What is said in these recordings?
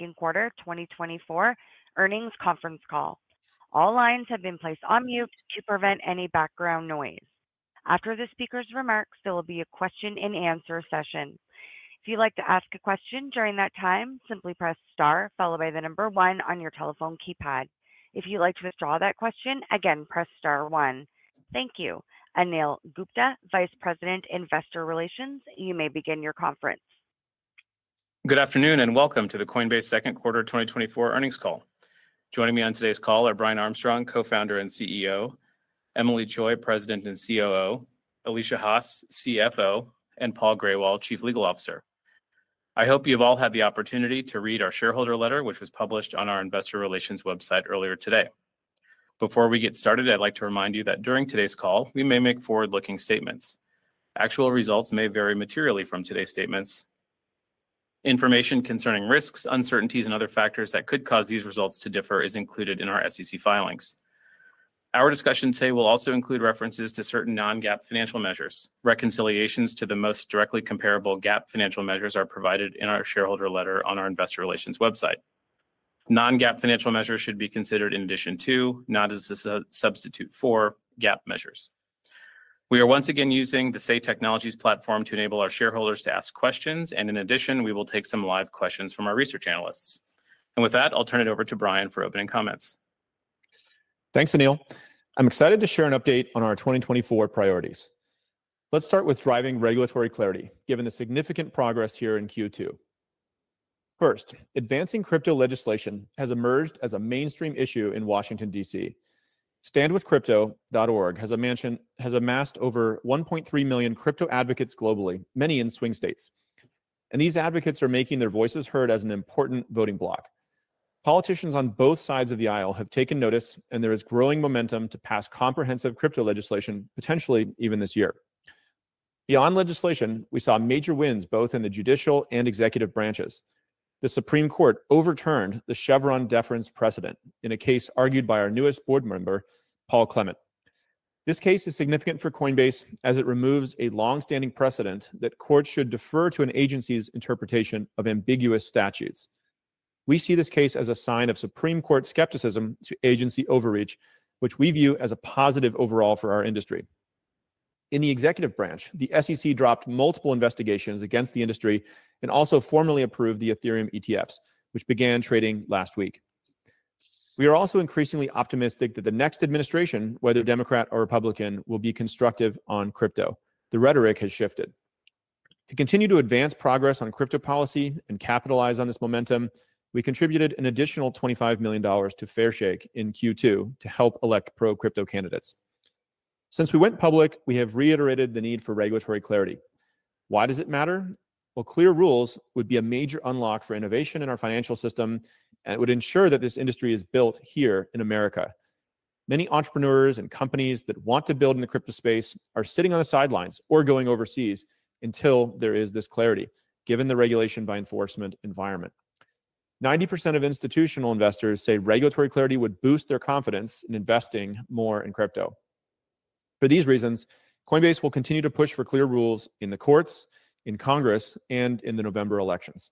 Q2 2024 earnings conference call. All lines have been placed on mute to prevent any background noise. After the speaker's remarks, there will be a question-and-answer session. If you'd like to ask a question during that time, simply press star, followed by the number one on your telephone keypad. If you'd like to withdraw that question, again, press star one. Thank you. Anil Gupta, Vice President, Investor Relations, you may begin your conference. Good afternoon and welcome to the Coinbase Q2 2024 earnings call. Joining me on today's call are Brian Armstrong, Co-founder and CEO; Emilie Choi, President and COO; Alesia Haas, CFO; and Paul Grewal, Chief Legal Officer. I hope you've all had the opportunity to read our shareholder letter, which was published on our Investor Relations website earlier today. Before we get started, I'd like to remind you that during today's call, we may make forward-looking statements. Actual results may vary materially from today's statements. Information concerning risks, uncertainties, and other factors that could cause these results to differ is included in our SEC filings. Our discussion today will also include references to certain non-GAAP financial measures. Reconciliations to the most directly comparable GAAP financial measures are provided in our shareholder letter on our Investor Relations website. Non-GAAP financial measures should be considered in addition to, not as a substitute for, GAAP measures. We are once again using the Say Technologies platform to enable our shareholders to ask questions, and in addition, we will take some live questions from our research analysts. With that, I'll turn it over to Brian for opening comments. Thanks, Anil. I'm excited to share an update on our 2024 priorities. Let's start with driving regulatory clarity, given the significant progress here in Q2. First, advancing crypto legislation has emerged as a mainstream issue in Washington, D.C. StandwithCrypto.org has amassed over 1.3 million crypto advocates globally, many in swing states. And these advocates are making their voices heard as an important voting bloc. Politicians on both sides of the aisle have taken notice, and there is growing momentum to pass comprehensive crypto legislation, potentially even this year. Beyond legislation, we saw major wins both in the judicial and executive branches. The Supreme Court overturned the Chevron deference precedent in a case argued by our newest board member, Paul Clement. This case is significant for Coinbase as it removes a longstanding precedent that courts should defer to an agency's interpretation of ambiguous statutes. We see this case as a sign of supreme court skepticism to agency overreach, which we view as a positive overall for our industry. In the executive branch, the SEC dropped multiple investigations against the industry and also formally approved the Ethereum ETFs, which began trading last week. We are also increasingly optimistic that the next administration, whether Democrat or Republican, will be constructive on crypto. The rhetoric has shifted. To continue to advance progress on crypto policy and capitalize on this momentum, we contributed an additional $25 million to Fairshake in Q2 to help elect pro-crypto candidates. Since we went public, we have reiterated the need for regulatory clarity. Why does it matter? Well, clear rules would be a major unlock for innovation in our financial system, and it would ensure that this industry is built here in America. Many entrepreneurs and companies that want to build in the crypto space are sitting on the sidelines or going overseas until there is this clarity, given the regulation by enforcement environment. 90% of institutional investors say regulatory clarity would boost their confidence in investing more in crypto. For these reasons, Coinbase will continue to push for clear rules in the courts, in Congress, and in the November elections.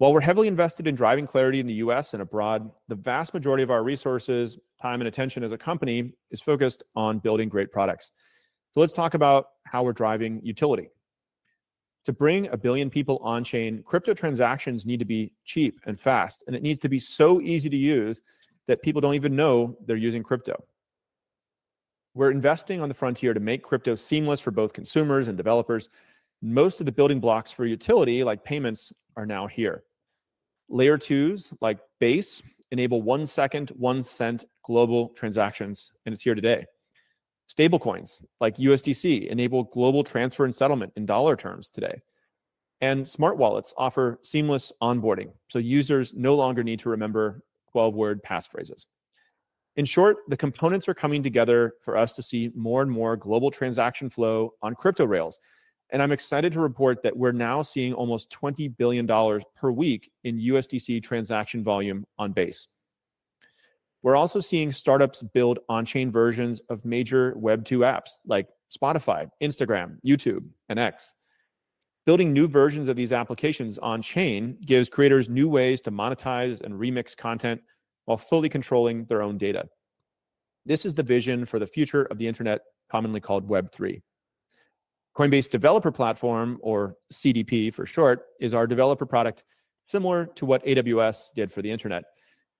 While we're heavily invested in driving clarity in the U.S. and abroad, the vast majority of our resources, time, and attention as a company is focused on building great products. So let's talk about how we're driving utility. To bring 1 billion people on-chain, crypto transactions need to be cheap and fast, and it needs to be so easy to use that people don't even know they're using crypto. We're investing on the frontier to make crypto seamless for both consumers and developers. Most of the building blocks for utility, like payments, are now here. Layer 2s, like Base, enable one-second, one-cent global transactions, and it's here today. Stablecoins, like USDC, enable global transfer and settlement in dollar terms today. Smart wallets offer seamless onboarding, so users no longer need to remember 12-word passphrases. In short, the components are coming together for us to see more and more global transaction flow on crypto rails. I'm excited to report that we're now seeing almost $20 billion per week in USDC transaction volume on Base. We're also seeing startups build on-chain versions of major Web2 apps like Spotify, Instagram, YouTube, and X. Building new versions of these applications on-chain gives creators new ways to monetize and remix content while fully controlling their own data. This is the vision for the future of the internet, commonly called Web3. Coinbase Developer Platform, or CDP for short, is our developer product similar to what AWS did for the internet,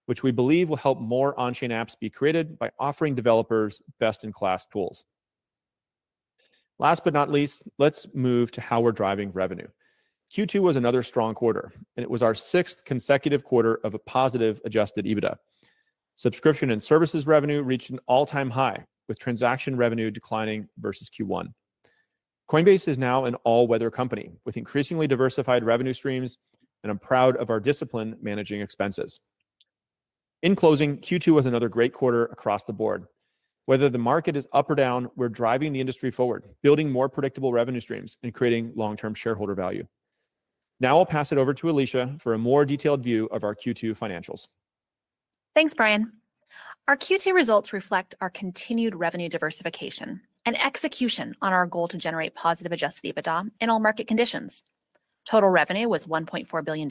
which we believe will help more on-chain apps be created by offering developers best-in-class tools. Last but not least, let's move to how we're driving revenue. Q2 was another strong quarter, and it was our sixth consecutive quarter of a positive adjusted EBITDA. Subscription and services revenue reached an all-time high, with transaction revenue declining versus Q1. Coinbase is now an all-weather company with increasingly diversified revenue streams, and I'm proud of our discipline managing expenses. In closing, Q2 was another great quarter across the board. Whether the market is up or down, we're driving the industry forward, building more predictable revenue streams and creating long-term shareholder value. Now I'll pass it over to Alesia for a more detailed view of our Q2 financials. Thanks, Brian. Our Q2 results reflect our continued revenue diversification and execution on our goal to generate positive Adjusted EBITDA in all market conditions. Total revenue was $1.4 billion.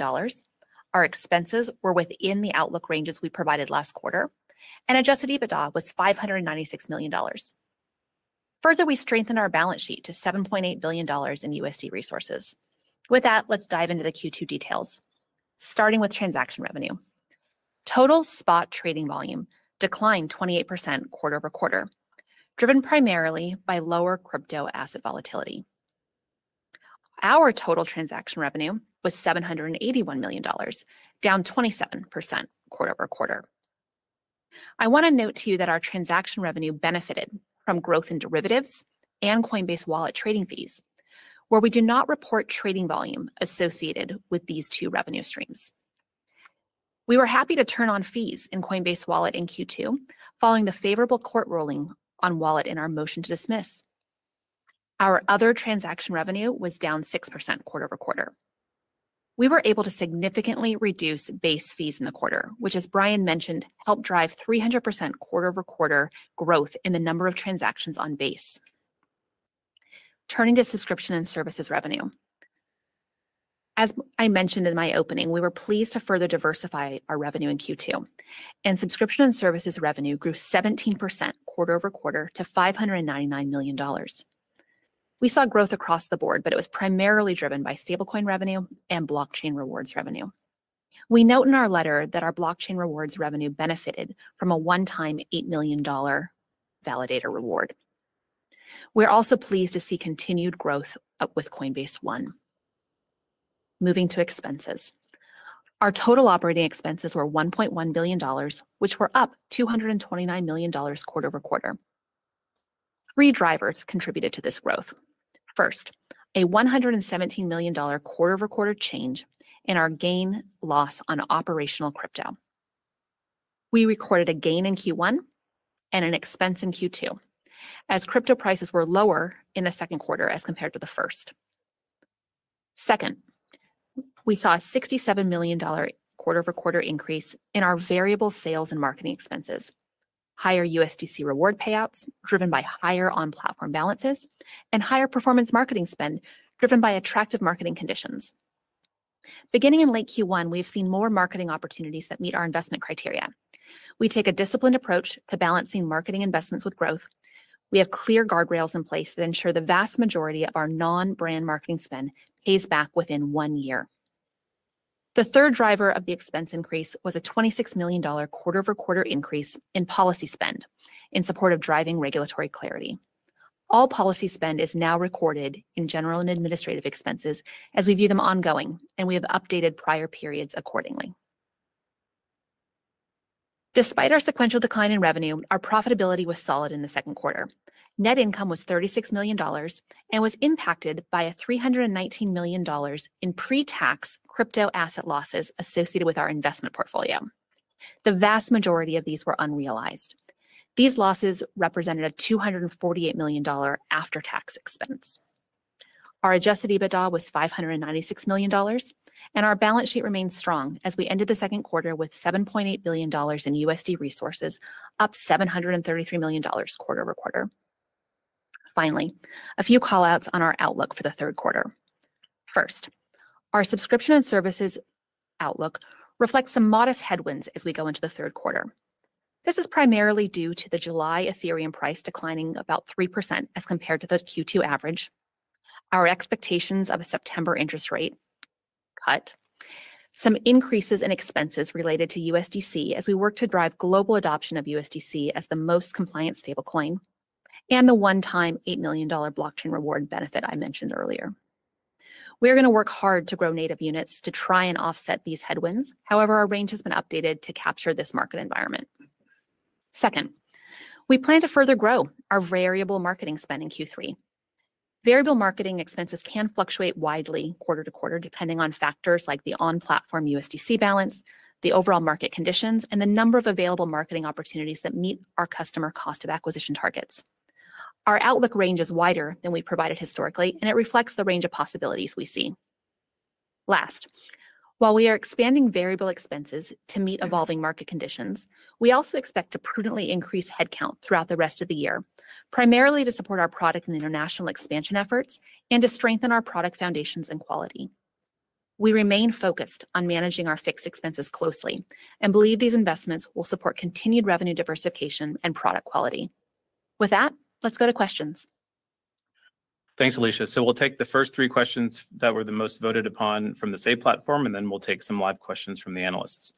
Our expenses were within the outlook ranges we provided last quarter, and Adjusted EBITDA was $596 million. Further, we strengthened our balance sheet to $7.8 billion in USD resources. With that, let's dive into the Q2 details, starting with transaction revenue. Total spot trading volume declined 28% quarter-over-quarter, driven primarily by lower crypto asset volatility. Our total transaction revenue was $781 million, down 27% quarter-over-quarter. I want to note to you that our transaction revenue benefited from growth in derivatives and Coinbase Wallet trading fees, where we do not report trading volume associated with these two revenue streams. We were happy to turn on fees in Coinbase Wallet in Q2 following the favorable court ruling on Wallet in our motion to dismiss. Our other transaction revenue was down 6% quarter-over-quarter. We were able to significantly reduce base fees in the quarter, which, as Brian mentioned, helped drive 300% quarter-over-quarter growth in the number of transactions on Base. Turning to subscription and services revenue. As I mentioned in my opening, we were pleased to further diversify our revenue in Q2, and subscription and services revenue grew 17% quarter-over-quarter to $599 million. We saw growth across the board, but it was primarily driven by stablecoin revenue and blockchain rewards revenue. We note in our letter that our blockchain rewards revenue benefited from a one-time $8 million validator reward. We're also pleased to see continued growth with Coinbase One. Moving to expenses. Our total operating expenses were $1.1 billion, which were up $229 million quarter-over-quarter. Three drivers contributed to this growth. First, a $117 million quarter-over-quarter change in our gain/loss on operational crypto. We recorded a gain in Q1 and an expense in Q2 as crypto prices were lower in the Q2 as compared to the first. Second, we saw a $67 million quarter-over-quarter increase in our variable sales and marketing expenses, higher USDC reward payouts driven by higher on-platform balances, and higher performance marketing spend driven by attractive marketing conditions. Beginning in late Q1, we've seen more marketing opportunities that meet our investment criteria. We take a disciplined approach to balancing marketing investments with growth. We have clear guardrails in place that ensure the vast majority of our non-brand marketing spend pays back within one year. The third driver of the expense increase was a $26 million quarter-over-quarter increase in policy spend in support of driving regulatory clarity. All policy spend is now recorded in general and administrative expenses as we view them ongoing, and we have updated prior periods accordingly. Despite our sequential decline in revenue, our profitability was solid in the Q2. Net income was $36 million and was impacted by a $319 million in pre-tax crypto asset losses associated with our investment portfolio. The vast majority of these were unrealized. These losses represented a $248 million after-tax expense. Our Adjusted EBITDA was $596 million, and our balance sheet remained strong as we ended the Q2 with $7.8 billion in USD resources, up $733 million quarter-over-quarter. Finally, a few callouts on our outlook for the Q3. First, our subscription and services outlook reflects some modest headwinds as we go into the Q3. This is primarily due to the July Ethereum price declining about 3% as compared to the Q2 average, our expectations of a September interest rate cut, some increases in expenses related to USDC as we work to drive global adoption of USDC as the most compliant stablecoin, and the one-time $8 million blockchain reward benefit I mentioned earlier. We are going to work hard to grow native units to try and offset these headwinds. However, our range has been updated to capture this market environment. Second, we plan to further grow our variable marketing spend in Q3. Variable marketing expenses can fluctuate widely quarter-over-quarter depending on factors like the on-platform USDC balance, the overall market conditions, and the number of available marketing opportunities that meet our customer cost of acquisition targets. Our outlook range is wider than we provided historically, and it reflects the range of possibilities we see. Last, while we are expanding variable expenses to meet evolving market conditions, we also expect to prudently increase headcount throughout the rest of the year, primarily to support our product and international expansion efforts and to strengthen our product foundations and quality. We remain focused on managing our fixed expenses closely and believe these investments will support continued revenue diversification and product quality. With that, let's go to questions. Thanks, Alesia. So we'll take the first three questions that were the most voted upon from the Say platform, and then we'll take some live questions from the analysts.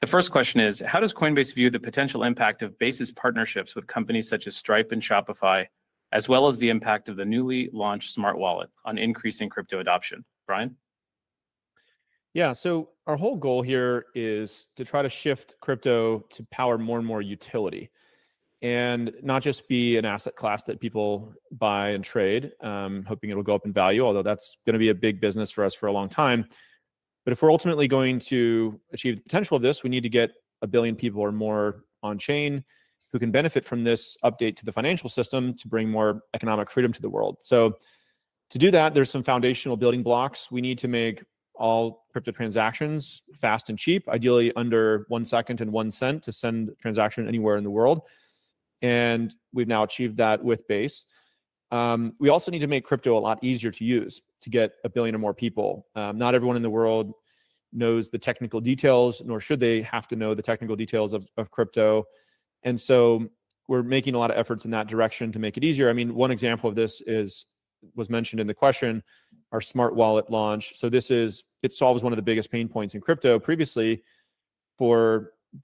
The first question is, how does Coinbase view the potential impact of Base's partnerships with companies such as Stripe and Shopify, as well as the impact of the newly launched smart wallet on increasing crypto adoption? Brian? Yeah, so our whole goal here is to try to shift crypto to power more and more utility and not just be an asset class that people buy and trade, hoping it'll go up in value, although that's going to be a big business for us for a long time. But if we're ultimately going to achieve the potential of this, we need to get a billion people or more on-chain who can benefit from this update to the financial system to bring more economic freedom to the world. So to do that, there's some foundational building blocks. We need to make all crypto transactions fast and cheap, ideally under one second and one cent to send a transaction anywhere in the world. And we've now achieved that with Base. We also need to make crypto a lot easier to use to get a billion or more people. Not everyone in the world knows the technical details, nor should they have to know the technical details of crypto. So we're making a lot of efforts in that direction to make it easier. I mean, one example of this was mentioned in the question, our smart wallet launch. So this is, it solves one of the biggest pain points in crypto. Previously,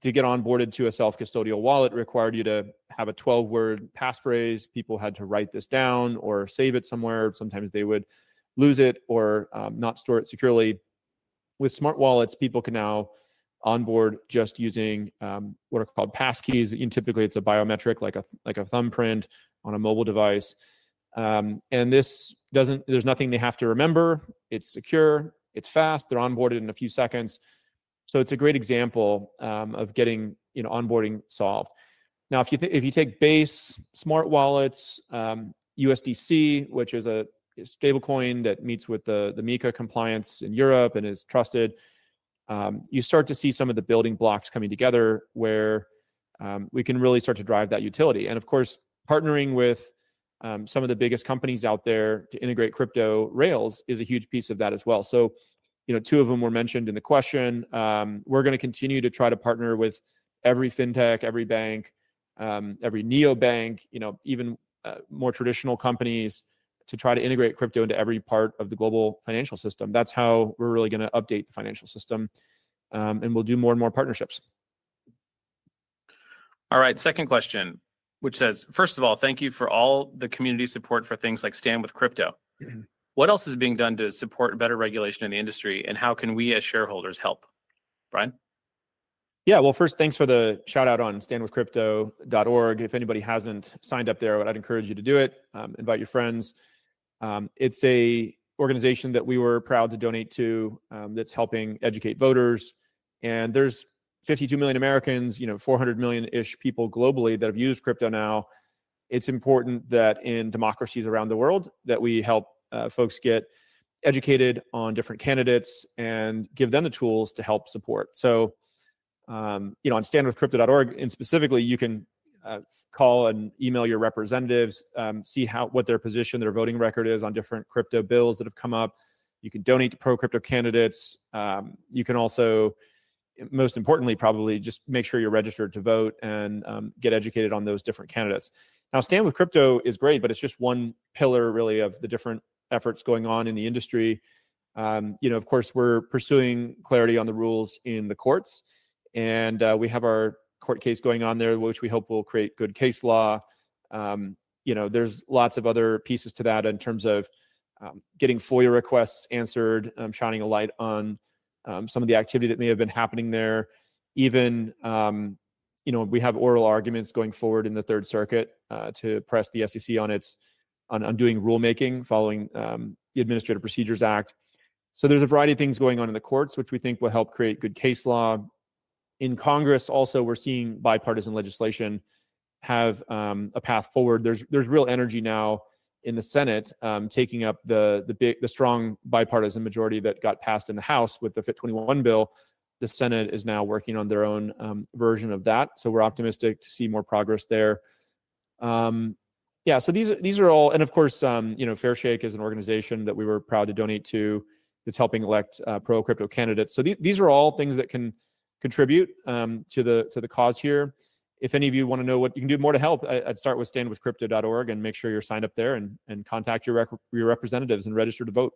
to get onboarded to a self-custodial wallet required you to have a 12-word passphrase. People had to write this down or save it somewhere. Sometimes they would lose it or not store it securely. With smart wallets, people can now onboard just using what are called passkeys. Typically, it's a biometric, like a thumbprint on a mobile device. And there's nothing they have to remember. It's secure. It's fast. They're onboarded in a few seconds. So it's a great example of getting onboarding solved. Now, if you take Base, smart wallets, USDC, which is a stablecoin that meets with the MiCA compliance in Europe and is trusted, you start to see some of the building blocks coming together where we can really start to drive that utility. And of course, partnering with some of the biggest companies out there to integrate crypto rails is a huge piece of that as well. So two of them were mentioned in the question. We're going to continue to try to partner with every fintech, every bank, every neobank, even more traditional companies to try to integrate crypto into every part of the global financial system. That's how we're really going to update the financial system. And we'll do more and more partnerships. All right, second question, which says, first of all, thank you for all the community support for things like Stand With Crypto. What else is being done to support better regulation in the industry, and how can we as shareholders help? Brian? Yeah, well, first, thanks for the shout-out on standwithcrypto.org. If anybody hasn't signed up there, I'd encourage you to do it. Invite your friends. It's an organization that we were proud to donate to that's helping educate voters. And there's 52 million Americans, 400 million-ish people globally that have used crypto now. It's important that in democracies around the world that we help folks get educated on different candidates and give them the tools to help support. So on standwithcrypto.org, and specifically, you can call and email your representatives, see what their position, their voting record is on different crypto bills that have come up. You can donate to pro-crypto candidates. You can also, most importantly, probably just make sure you're registered to vote and get educated on those different candidates. Now, Stand With Crypto is great, but it's just one pillar, really, of the different efforts going on in the industry. Of course, we're pursuing clarity on the rules in the courts. We have our court case going on there, which we hope will create good case law. There's lots of other pieces to that in terms of getting FOIA requests answered, shining a light on some of the activity that may have been happening there. We have oral arguments going forward in the Third Circuit to press the SEC on doing rulemaking following the Administrative Procedure Act. So there's a variety of things going on in the courts, which we think will help create good case law. In Congress, also, we're seeing bipartisan legislation have a path forward. There's real energy now in the Senate taking up the strong bipartisan majority that got passed in the House with the FIT21 bill. The Senate is now working on their own version of that. So we're optimistic to see more progress there. Yeah, so these are all, and of course, Fairshake is an organization that we were proud to donate to that's helping elect pro-crypto candidates. So these are all things that can contribute to the cause here. If any of you want to know what you can do more to help, I'd start with standwithcrypto.org and make sure you're signed up there and contact your representatives and register to vote.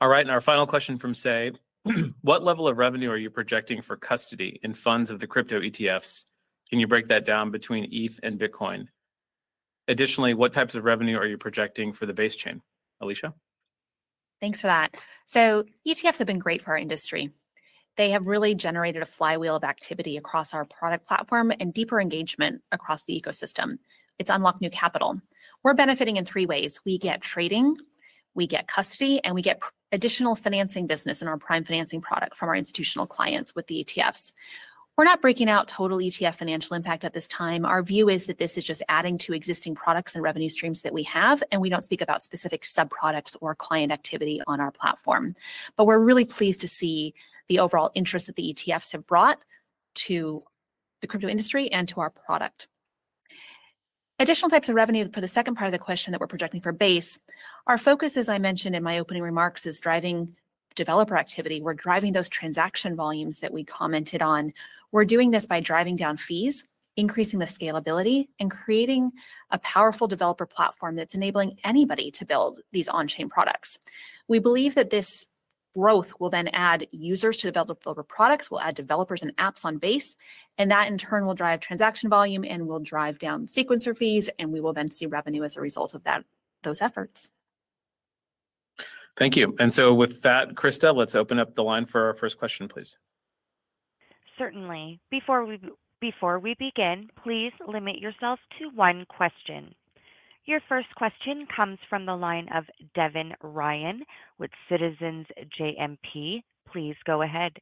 All right, and our final question from Say: what level of revenue are you projecting for custody in funds of the crypto ETFs? Can you break that down between ETH and Bitcoin? Additionally, what types of revenue are you projecting for the Base chain, Alesia? Thanks for that. ETFs have been great for our industry. They have really generated a flywheel of activity across our product platform and deeper engagement across the ecosystem. It's unlocked new capital. We're benefiting in three ways. We get trading, we get custody, and we get additional financing business in our Prime financing product from our institutional clients with the ETFs. We're not breaking out total ETF financial impact at this time. Our view is that this is just adding to existing products and revenue streams that we have, and we don't speak about specific subproducts or client activity on our platform. But we're really pleased to see the overall interest that the ETFs have brought to the crypto industry and to our product. Additional types of revenue for the second part of the question that we're projecting for Base, our focus, as I mentioned in my opening remarks, is driving developer activity. We're driving those transaction volumes that we commented on. We're doing this by driving down fees, increasing the scalability, and creating a powerful developer platform that's enabling anybody to build these on-chain products. We believe that this growth will then add users to develop products, will add developers and apps on Base, and that in turn will drive transaction volume and will drive down sequencer fees, and we will then see revenue as a result of those efforts. Thank you. And so with that, Krista, let's open up the line for our first question, please. Certainly. Before we begin, please limit yourself to one question. Your first question comes from the line of Devin Ryan with Citizens JMP. Please go ahead.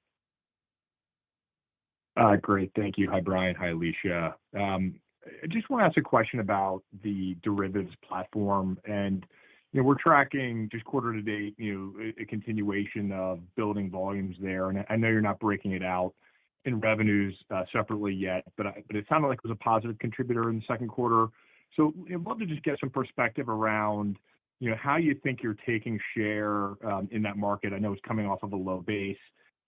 Great. Thank you. Hi, Brian. Hi, Alesia. I just want to ask a question about the derivatives platform. And we're tracking just quarter to date a continuation of building volumes there. And I know you're not breaking it out in revenues separately yet, but it sounded like it was a positive contributor in the Q2. I'd love to just get some perspective around how you think you're taking share in that market. I know it's coming off of a low base.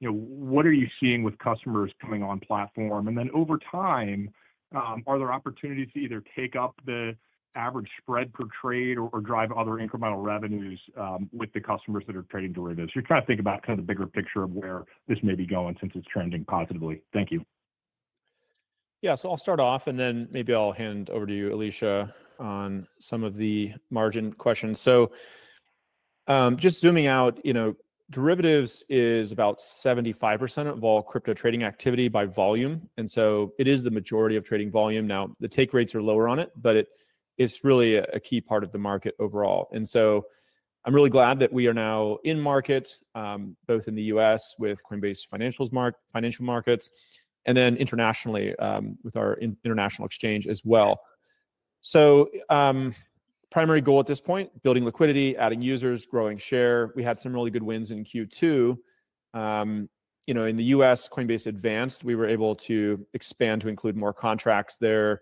What are you seeing with customers coming on platform? And then over time, are there opportunities to either take up the average spread per trade or drive other incremental revenues with the customers that are trading derivatives? You're trying to think about kind of the bigger picture of where this may be going since it's trending positively. Thank you. Yeah, so I'll start off, and then maybe I'll hand over to you, Alesia, on some of the margin questions. So just zooming out, derivatives is about 75% of all crypto trading activity by volume. And so it is the majority of trading volume. Now, the take rates are lower on it, but it's really a key part of the market overall. And so I'm really glad that we are now in market, both in the U.S. with Coinbase Financial Markets and then internationally with our international exchange as well. So primary goal at this point, building liquidity, adding users, growing share. We had some really good wins in Q2. In the U.S., Coinbase Advanced, we were able to expand to include more contracts there.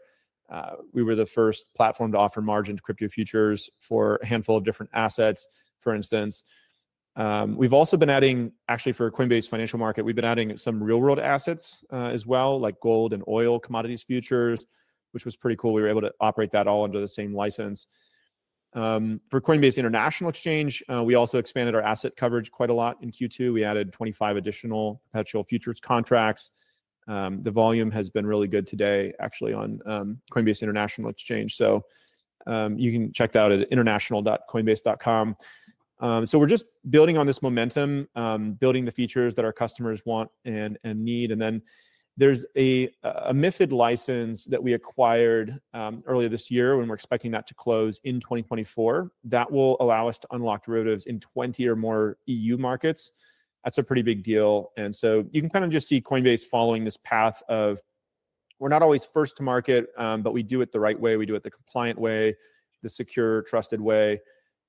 We were the first platform to offer margin crypto futures for a handful of different assets, for instance. We've also been adding, actually, for Coinbase Financial Markets, we've been adding some real-world assets as well, like gold and oil commodities futures, which was pretty cool. We were able to operate that all under the same license. For Coinbase International Exchange, we also expanded our asset coverage quite a lot in Q2. We added 25 additional perpetual futures contracts. The volume has been really good today, actually, on Coinbase International Exchange. So you can check that out at international.coinbase.com. So we're just building on this momentum, building the features that our customers want and need. And then there's a MiFID license that we acquired earlier this year when we're expecting that to close in 2024. That will allow us to unlock derivatives in 20 or more EU markets. That's a pretty big deal. And so you can kind of just see Coinbase following this path of we're not always first to market, but we do it the right way. We do it the compliant way, the secure, trusted way.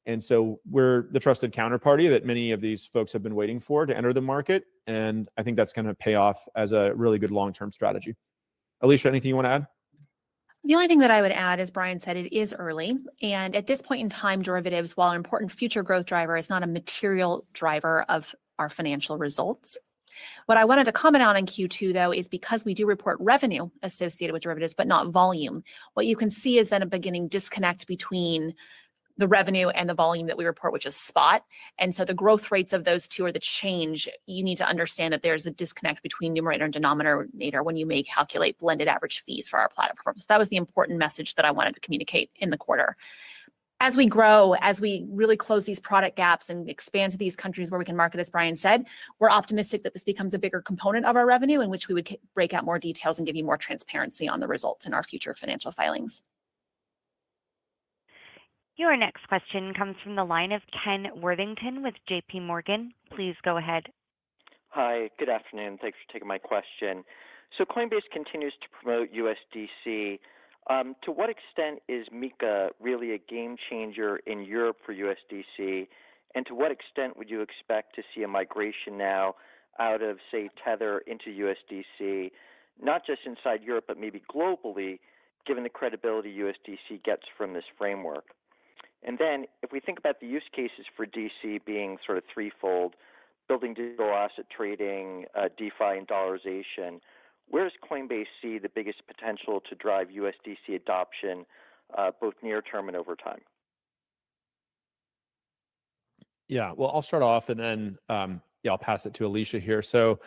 And so we're the trusted counterparty that many of these folks have been waiting for to enter the market. And I think that's going to pay off as a really good long-term strategy. Alesia, anything you want to add? The only thing that I would add, as Brian said, it is early. At this point in time, derivatives, while an important future growth driver, is not a material driver of our financial results. What I wanted to comment on in Q2, though, is because we do report revenue associated with derivatives, but not volume. What you can see is then a beginning disconnect between the revenue and the volume that we report, which is spot. So the growth rates of those two are the change. You need to understand that there's a disconnect between numerator and denominator when you may calculate blended average fees for our platform. So that was the important message that I wanted to communicate in the quarter. As we grow, as we really close these product gaps and expand to these countries where we can market, as Brian said, we're optimistic that this becomes a bigger component of our revenue in which we would break out more details and give you more transparency on the results in our future financial filings. Your next question comes from the line of Ken Worthington with JPMorgan. Please go ahead. Hi, good afternoon. Thanks for taking my question. So Coinbase continues to promote USDC. To what extent is MiCA really a game changer in Europe for USDC? And to what extent would you expect to see a migration now out of, say, Tether into USDC, not just inside Europe, but maybe globally, given the credibility USDC gets from this framework? And then if we think about the use cases for USDC being sort of threefold, building digital asset trading, DeFi, and dollarization, where does Coinbase see the biggest potential to drive USDC adoption, both near-term and over time? Yeah, well, I'll start off, and then I'll pass it to Alesia here. So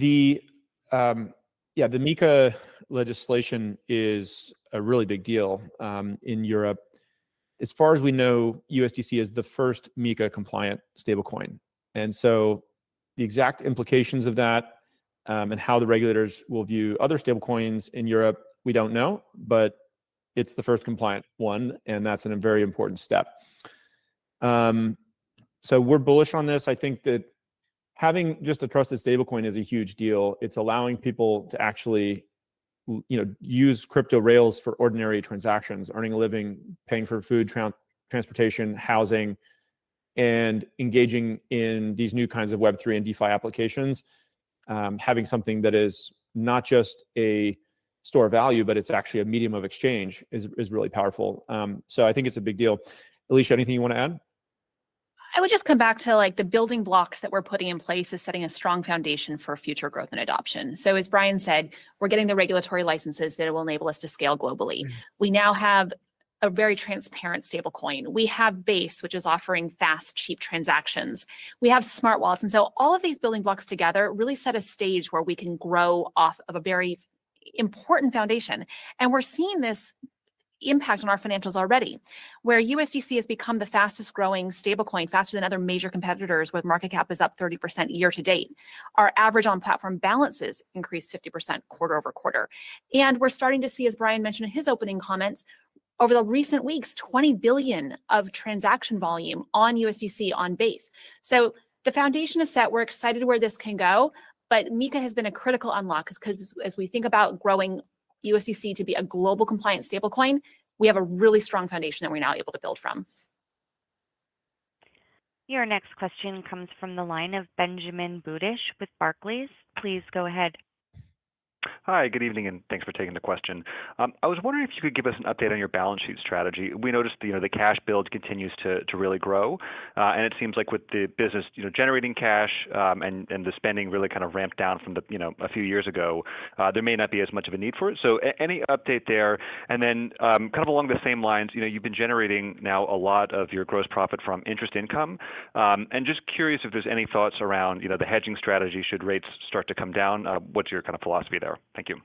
yeah, the MiCA legislation is a really big deal in Europe. As far as we know, USDC is the first MiCA-compliant stablecoin. And so the exact implications of that and how the regulators will view other stablecoins in Europe, we don't know, but it's the first compliant one, and that's a very important step. So we're bullish on this. I think that having just a trusted stablecoin is a huge deal. It's allowing people to actually use crypto rails for ordinary transactions, earning a living, paying for food, transportation, housing, and engaging in these new kinds of Web3 and DeFi applications. Having something that is not just a store of value, but it's actually a medium of exchange is really powerful. So I think it's a big deal. Alesia, anything you want to add? I would just come back to the building blocks that we're putting in place is setting a strong foundation for future growth and adoption. So as Brian said, we're getting the regulatory licenses that will enable us to scale globally. We now have a very transparent stablecoin. We have Base, which is offering fast, cheap transactions. We have smart wallets. And so all of these building blocks together really set a stage where we can grow off of a very important foundation. And we're seeing this impact on our financials already, where USDC has become the fastest-growing stablecoin, faster than other major competitors, with market cap is up 30% year to date. Our average on-platform balances increased 50% quarter-over-quarter. And we're starting to see, as Brian mentioned in his opening comments, over the recent weeks, $20 billion of transaction volume on USDC on Base. The foundation is set. We're excited where this can go. But MiCA has been a critical unlock because as we think about growing USDC to be a global compliant stablecoin, we have a really strong foundation that we're now able to build from. Your next question comes from the line of Benjamin Budish with Barclays. Please go ahead. Hi, good evening, and thanks for taking the question. I was wondering if you could give us an update on your balance sheet strategy. We noticed the cash build continues to really grow. It seems like with the business generating cash and the spending really kind of ramped down from a few years ago, there may not be as much of a need for it. Any update there? Then kind of along the same lines, you've been generating now a lot of your gross profit from interest income. Just curious if there's any thoughts around the hedging strategy. Should rates start to come down, what's your kind of philosophy there? Thank you.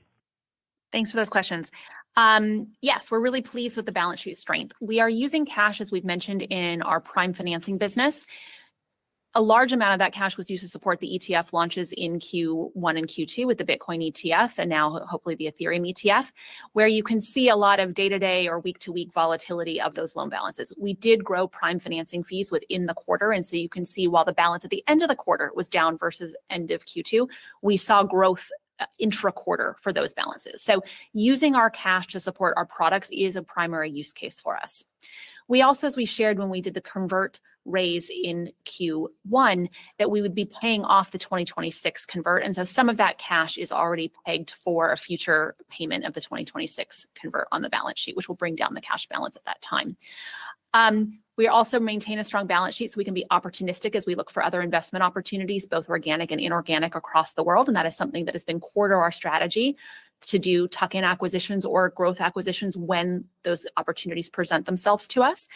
Thanks for those questions. Yes, we're really pleased with the balance sheet strength. We are using cash, as we've mentioned, in our prime financing business. A large amount of that cash was used to support the ETF launches in Q1 and Q2 with the Bitcoin ETF and now hopefully the Ethereum ETF, where you can see a lot of day-to-day or week-to-week volatility of those loan balances. We did grow prime financing fees within the quarter. And so you can see while the balance at the end of the quarter was down versus end of Q2, we saw growth intra-quarter for those balances. So using our cash to support our products is a primary use case for us. We also, as we shared when we did the convert raise in Q1, that we would be paying off the 2026 convert. Some of that cash is already pegged for a future payment of the 2026 convert on the balance sheet, which will bring down the cash balance at that time. We also maintain a strong balance sheet so we can be opportunistic as we look for other investment opportunities, both organic and inorganic across the world. That is something that has been core to our strategy to do tuck-in acquisitions or growth acquisitions when those opportunities present themselves to us.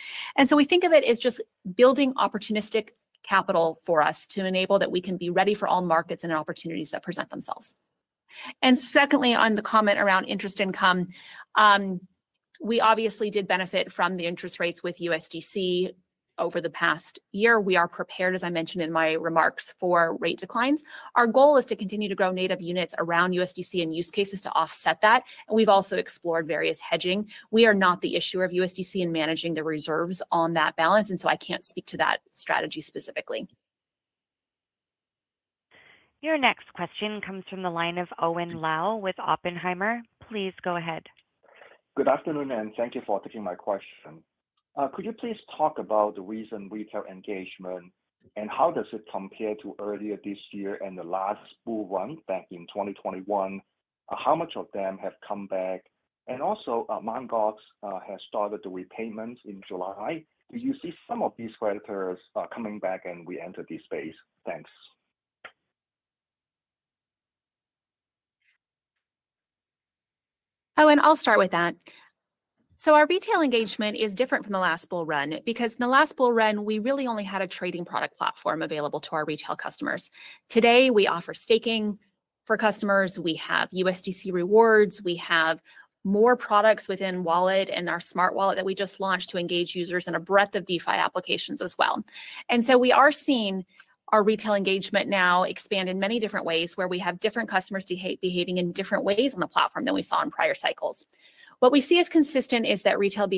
We think of it as just building opportunistic capital for us to enable that we can be ready for all markets and opportunities that present themselves. Secondly, on the comment around interest income, we obviously did benefit from the interest rates with USDC over the past year. We are prepared, as I mentioned in my remarks, for rate declines. Our goal is to continue to grow native units around USDC and use cases to offset that. We've also explored various hedging. We are not the issuer of USDC and managing the reserves on that balance. So I can't speak to that strategy specifically. Your next question comes from the line of Owen Lau with Oppenheimer. Please go ahead. Good afternoon, and thank you for taking my question. Could you please talk about the recent retail engagement, and how does it compare to earlier this year and the last bull run back in 2021? How much of them have come back? And also, Mt. Gox has started the repayments in July. Do you see some of these creditors coming back and re-enter this space? Thanks. Oh, and I'll start with that. So our retail engagement is different from the last bull run because in the last bull run, we really only had a trading product platform available to our retail customers. Today, we offer staking for customers. We have USDC rewards. We have more products within Wallet and our smart wallet that we just launched to engage users in a breadth of DeFi applications as well. And so we are seeing our retail engagement now expand in many different ways, where we have different customers behaving in different ways on the platform than we saw in prior cycles. What we see as consistent is that retail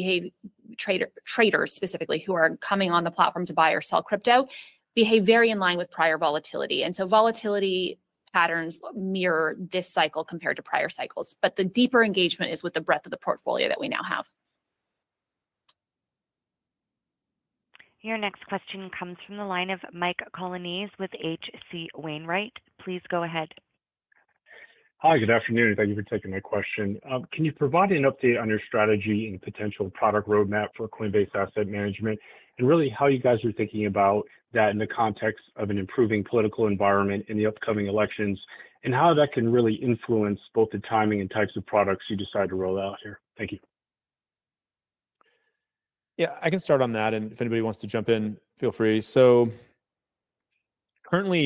traders, specifically, who are coming on the platform to buy or sell crypto, behave very in line with prior volatility. And so volatility patterns mirror this cycle compared to prior cycles. But the deeper engagement is with the breadth of the portfolio that we now have. Your next question comes from the line of Mike Colonnese with H.C. Wainwright. Please go ahead. Hi, good afternoon. Thank you for taking my question. Can you provide an update on your strategy and potential product roadmap for Coinbase Asset Management, and really how you guys are thinking about that in the context of an improving political environment in the upcoming elections, and how that can really influence both the timing and types of products you decide to roll out here? Thank you. Yeah, I can start on that. If anybody wants to jump in, feel free. Currently,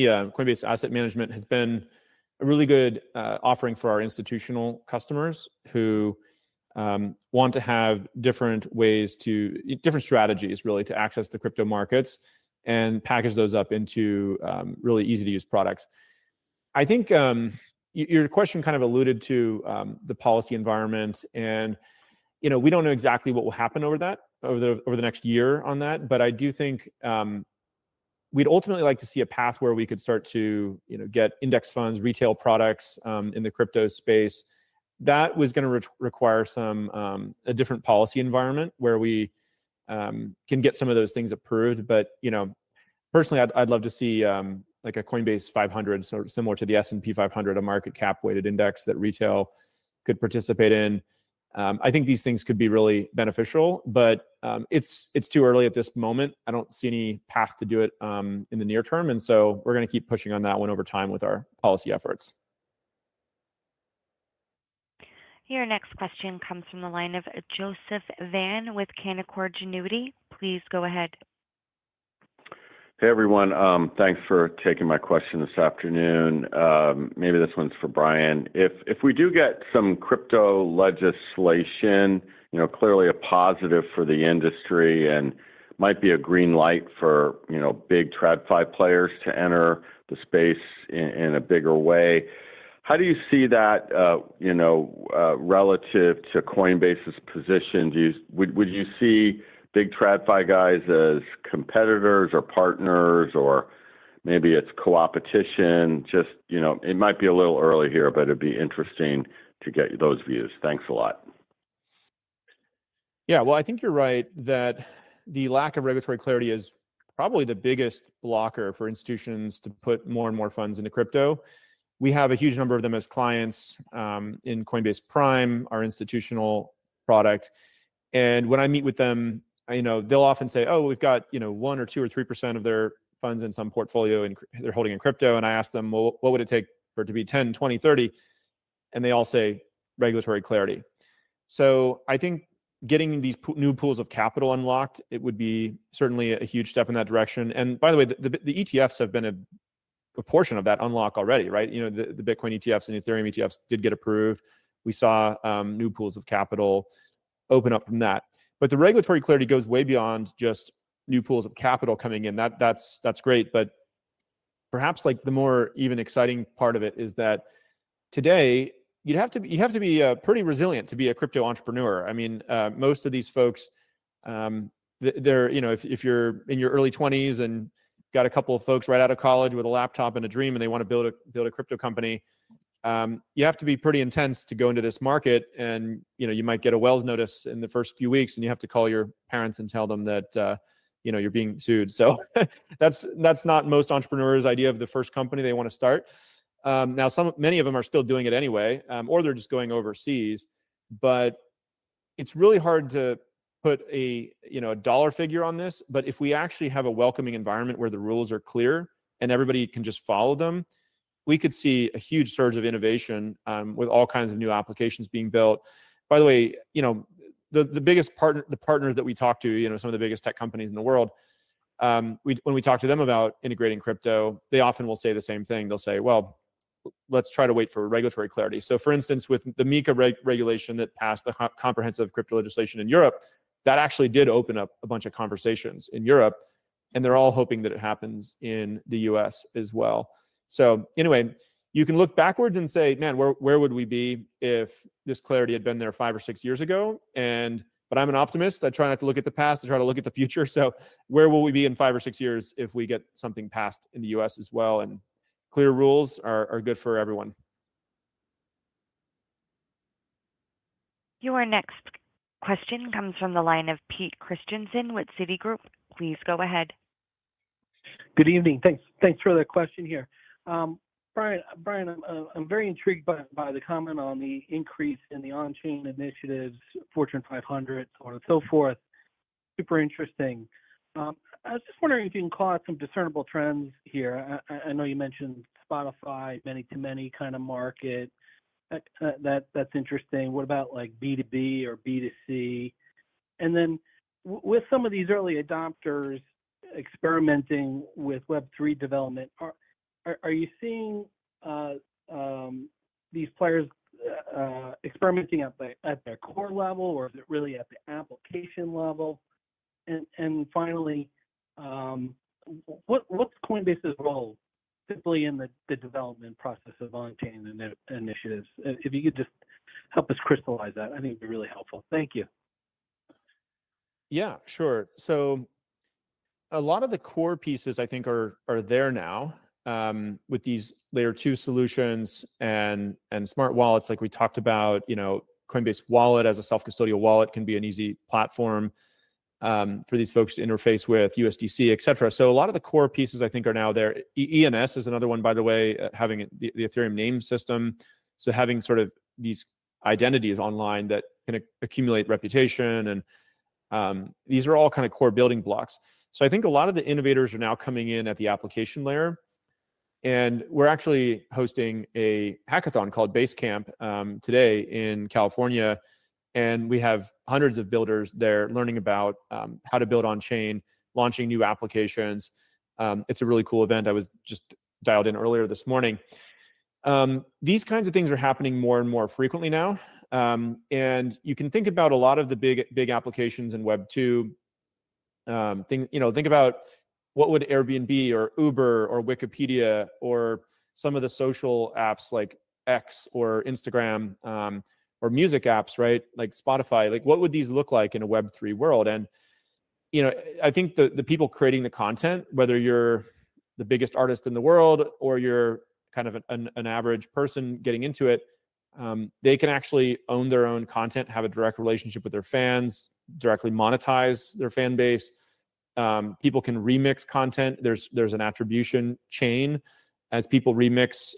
Coinbase Asset Management has been a really good offering for our institutional customers who want to have different ways, different strategies, really, to access the crypto markets and package those up into really easy-to-use products. I think your question kind of alluded to the policy environment. We don't know exactly what will happen over the next year on that. I do think we'd ultimately like to see a path where we could start to get index funds, retail products in the crypto space. That was going to require a different policy environment where we can get some of those things approved. Personally, I'd love to see a Coinbase 500, similar to the S&P 500, a market cap-weighted index that retail could participate in. I think these things could be really beneficial. But it's too early at this moment. I don't see any path to do it in the near term. And so we're going to keep pushing on that one over time with our policy efforts. Your next question comes from the line of Joseph Vafi with Canaccord Genuity. Please go ahead. Hey, everyone. Thanks for taking my question this afternoon. Maybe this one's for Brian. If we do get some crypto legislation, clearly a positive for the industry and might be a green light for big TradFi players to enter the space in a bigger way, how do you see that relative to Coinbase's position? Would you see big TradFi guys as competitors or partners, or maybe it's coopetition? It might be a little early here, but it'd be interesting to get those views. Thanks a lot. Yeah, well, I think you're right that the lack of regulatory clarity is probably the biggest blocker for institutions to put more and more funds into crypto. We have a huge number of them as clients in Coinbase Prime, our institutional product. And when I meet with them, they'll often say, "Oh, we've got 1% or 2% or 3% of their funds in some portfolio they're holding in crypto." And I ask them, "Well, what would it take for it to be 10%, 20%, 30%?" And they all say, "Regulatory clarity." So I think getting these new pools of capital unlocked, it would be certainly a huge step in that direction. And by the way, the ETFs have been a portion of that unlock already, right? The Bitcoin ETFs and Ethereum ETFs did get approved. We saw new pools of capital open up from that. But the regulatory clarity goes way beyond just new pools of capital coming in. That's great. But perhaps the even more exciting part of it is that today, you have to be pretty resilient to be a crypto entrepreneur. I mean, most of these folks, if you're in your early 20s and got a couple of folks right out of college with a laptop and a dream, and they want to build a crypto company, you have to be pretty intense to go into this market. And you might get a Wells notice in the first few weeks, and you have to call your parents and tell them that you're being sued. So that's not most entrepreneurs' idea of the first company they want to start. Now, many of them are still doing it anyway, or they're just going overseas. It's really hard to put a dollar figure on this. If we actually have a welcoming environment where the rules are clear and everybody can just follow them, we could see a huge surge of innovation with all kinds of new applications being built. By the way, the biggest partners that we talk to, some of the biggest tech companies in the world, when we talk to them about integrating crypto, they often will say the same thing. They'll say, "Well, let's try to wait for regulatory clarity." So for instance, with the MiCA regulation that passed the comprehensive crypto legislation in Europe, that actually did open up a bunch of conversations in Europe. They're all hoping that it happens in the U.S. as well. So anyway, you can look backwards and say, "Man, where would we be if this clarity had been there five or six years ago?" But I'm an optimist. I try not to look at the past. I try to look at the future. So where will we be in five or six years if we get something passed in the U.S. as well? And clear rules are good for everyone. Your next question comes from the line of Pete Christiansen with Citigroup. Please go ahead. Good evening. Thanks for the question here. Brian, I'm very intrigued by the comment on the increase in the on-chain initiatives, Fortune 500, so on and so forth. Super interesting. I was just wondering if you can call out some discernible trends here. I know you mentioned Spotify, many-to-many kind of market. That's interesting. What about B2B or B2C? And then with some of these early adopters experimenting with Web3 development, are you seeing these players experimenting at their core level, or is it really at the application level? And finally, what's Coinbase's role simply in the development process of on-chain initiatives? If you could just help us crystallize that, I think it'd be really helpful. Thank you. Yeah, sure. So a lot of the core pieces, I think, are there now with these Layer 2 solutions and smart wallets. Like we talked about, Coinbase Wallet as a self-custodial wallet can be an easy platform for these folks to interface with USDC, etc. So a lot of the core pieces, I think, are now there. ENS is another one, by the way, having the Ethereum Name System. So having sort of these identities online that can accumulate reputation. And these are all kind of core building blocks. So I think a lot of the innovators are now coming in at the application layer. And we're actually hosting a hackathon called Basecamp today in California. And we have hundreds of builders there learning about how to build on-chain, launching new applications. It's a really cool event. I was just dialed in earlier this morning. These kinds of things are happening more and more frequently now. You can think about a lot of the big applications in Web2. Think about what would Airbnb or Uber or Wikipedia or some of the social apps like X or Instagram or music apps, right, like Spotify look like in a Web3 world? I think the people creating the content, whether you're the biggest artist in the world or you're kind of an average person getting into it, they can actually own their own content, have a direct relationship with their fans, directly monetize their fanbase. People can remix content. There's an attribution chain. As people remix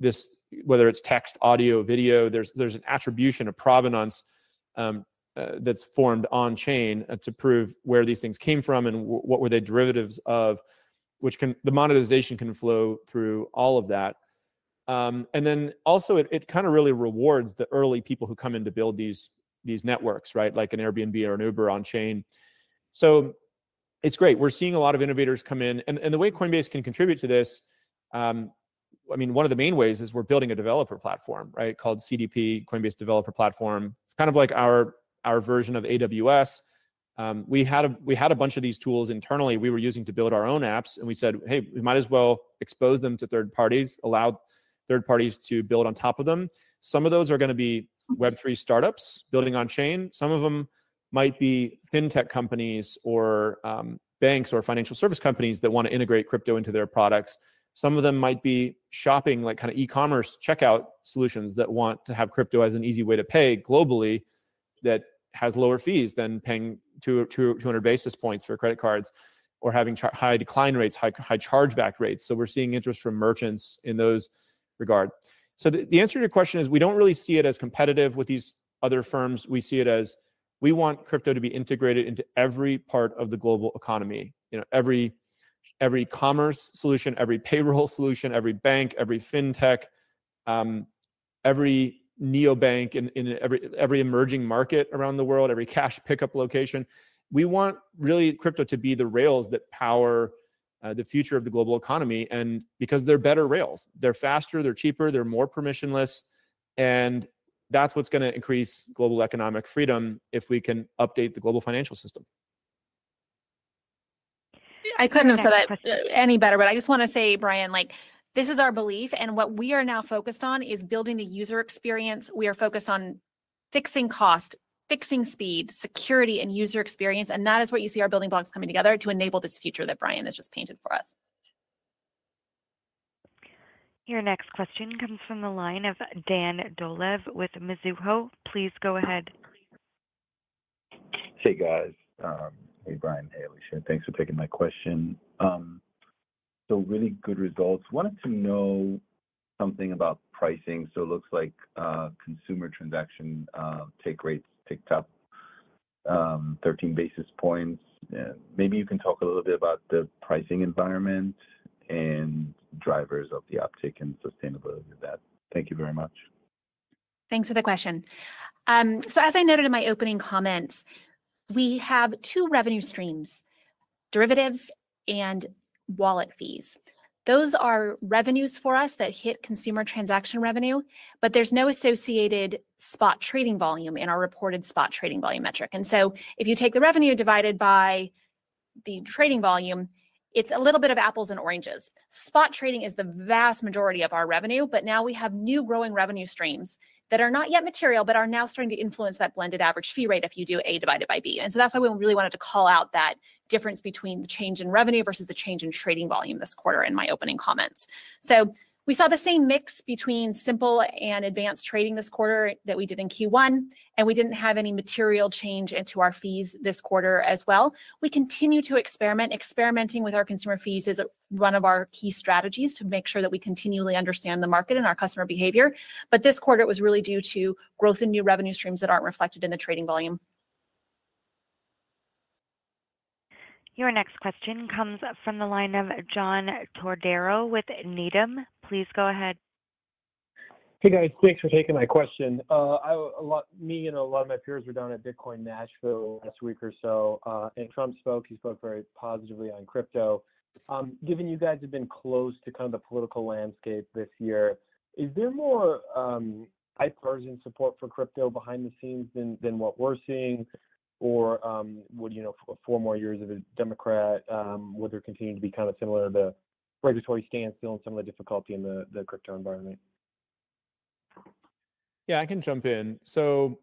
this, whether it's text, audio, video, there's an attribution, a Provenance that's formed on-chain to prove where these things came from and what were they derivatives of, which the monetization can flow through all of that. And then also, it kind of really rewards the early people who come in to build these networks, right, like an Airbnb or an Uber on-chain. So it's great. We're seeing a lot of innovators come in. And the way Coinbase can contribute to this, I mean, one of the main ways is we're building a developer platform, right, called CDP, Coinbase Developer Platform. It's kind of like our version of AWS. We had a bunch of these tools internally we were using to build our own apps. And we said, "Hey, we might as well expose them to third parties, allow third parties to build on top of them." Some of those are going to be Web3 startups building on-chain. Some of them might be fintech companies or banks or financial service companies that want to integrate crypto into their products. Some of them might be shopping, like kind of e-commerce checkout solutions that want to have crypto as an easy way to pay globally that has lower fees than paying 200 basis points for credit cards or having high decline rates, high chargeback rates. So we're seeing interest from merchants in those regards. So the answer to your question is we don't really see it as competitive with these other firms. We see it as we want crypto to be integrated into every part of the global economy, every commerce solution, every payroll solution, every bank, every fintech, every neobank in every emerging market around the world, every cash pickup location. We want really crypto to be the rails that power the future of the global economy. And because they're better rails, they're faster, they're cheaper, they're more permissionless. That's what's going to increase global economic freedom if we can update the global financial system. I couldn't have said that any better. But I just want to say, Brian, this is our belief. And what we are now focused on is building the user experience. We are focused on fixing cost, fixing speed, security, and user experience. And that is what you see our building blocks coming together to enable this future that Brian has just painted for us. Your next question comes from the line of Dan Dolev with Mizuho. Please go ahead. Hey, guys. Hey, Brian and Alesia here. Thanks for taking my question. So really good results. Wanted to know something about pricing. So it looks like consumer transaction take rates picked up 13 basis points. Maybe you can talk a little bit about the pricing environment and drivers of the uptick in sustainability of that. Thank you very much. Thanks for the question. So as I noted in my opening comments, we have two revenue streams: derivatives and wallet fees. Those are revenues for us that hit consumer transaction revenue. But there's no associated spot trading volume in our reported spot trading volume metric. And so if you take the revenue divided by the trading volume, it's a little bit of apples and oranges. Spot trading is the vast majority of our revenue. But now we have new growing revenue streams that are not yet material but are now starting to influence that blended average fee rate if you do A divided by B. And so that's why we really wanted to call out that difference between the change in revenue versus the change in trading volume this quarter in my opening comments. We saw the same mix between simple and advanced trading this quarter that we did in Q1. We didn't have any material change in our fees this quarter as well. We continue to experiment. Experimenting with our consumer fees is one of our key strategies to make sure that we continually understand the market and our customer behavior. This quarter, it was really due to growth in new revenue streams that aren't reflected in the trading volume. Your next question comes from the line of John Todaro with Needham. Please go ahead. Hey, guys. Thanks for taking my question. Me and a lot of my peers were down at Bitcoin Nashville last week or so. Trump spoke. He spoke very positively on crypto. Given you guys have been close to kind of the political landscape this year, is there more bipartisan support for crypto behind the scenes than what we're seeing? Or would four more years of a Democrat, would there continue to be kind of similar to the regulatory standstill and some of the difficulty in the crypto environment? Yeah, I can jump in. So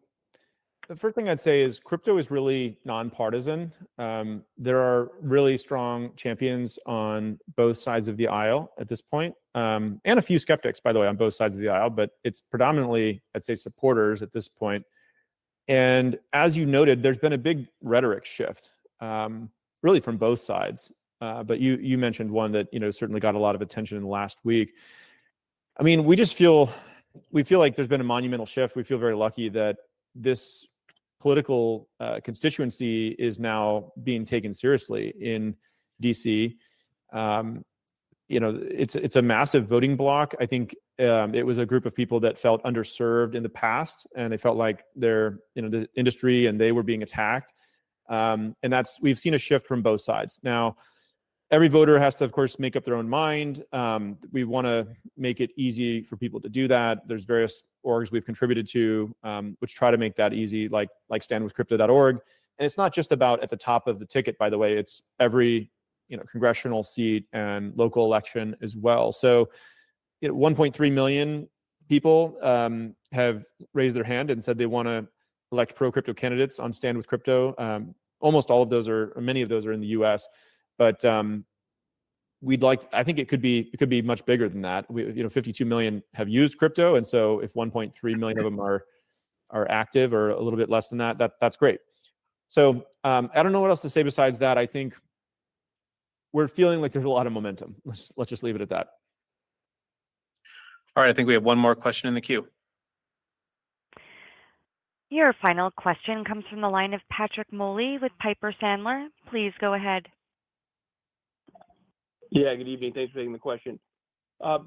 the first thing I'd say is crypto is really nonpartisan. There are really strong champions on both sides of the aisle at this point. And a few skeptics, by the way, on both sides of the aisle. But it's predominantly, I'd say, supporters at this point. And as you noted, there's been a big rhetoric shift, really, from both sides. But you mentioned one that certainly got a lot of attention last week. I mean, we just feel like there's been a monumental shift. We feel very lucky that this political constituency is now being taken seriously in D.C. It's a massive voting bloc. I think it was a group of people that felt underserved in the past. And they felt like the industry and they were being attacked. And we've seen a shift from both sides. Now, every voter has to, of course, make up their own mind. We want to make it easy for people to do that. There's various orgs we've contributed to which try to make that easy, like StandWithCrypto.org. And it's not just about at the top of the ticket, by the way. It's every congressional seat and local election as well. So 1.3 million people have raised their hand and said they want to elect pro-crypto candidates on StandWithCrypto. Almost all of those are many of those are in the U.S. But I think it could be much bigger than that. 52 million have used crypto. And so if 1.3 million of them are active or a little bit less than that, that's great. So I don't know what else to say besides that. I think we're feeling like there's a lot of momentum. Let's just leave it at that. All right. I think we have one more question in the queue. Your final question comes from the line of Patrick Moley with Piper Sandler. Please go ahead. Yeah, good evening. Thanks for taking the question.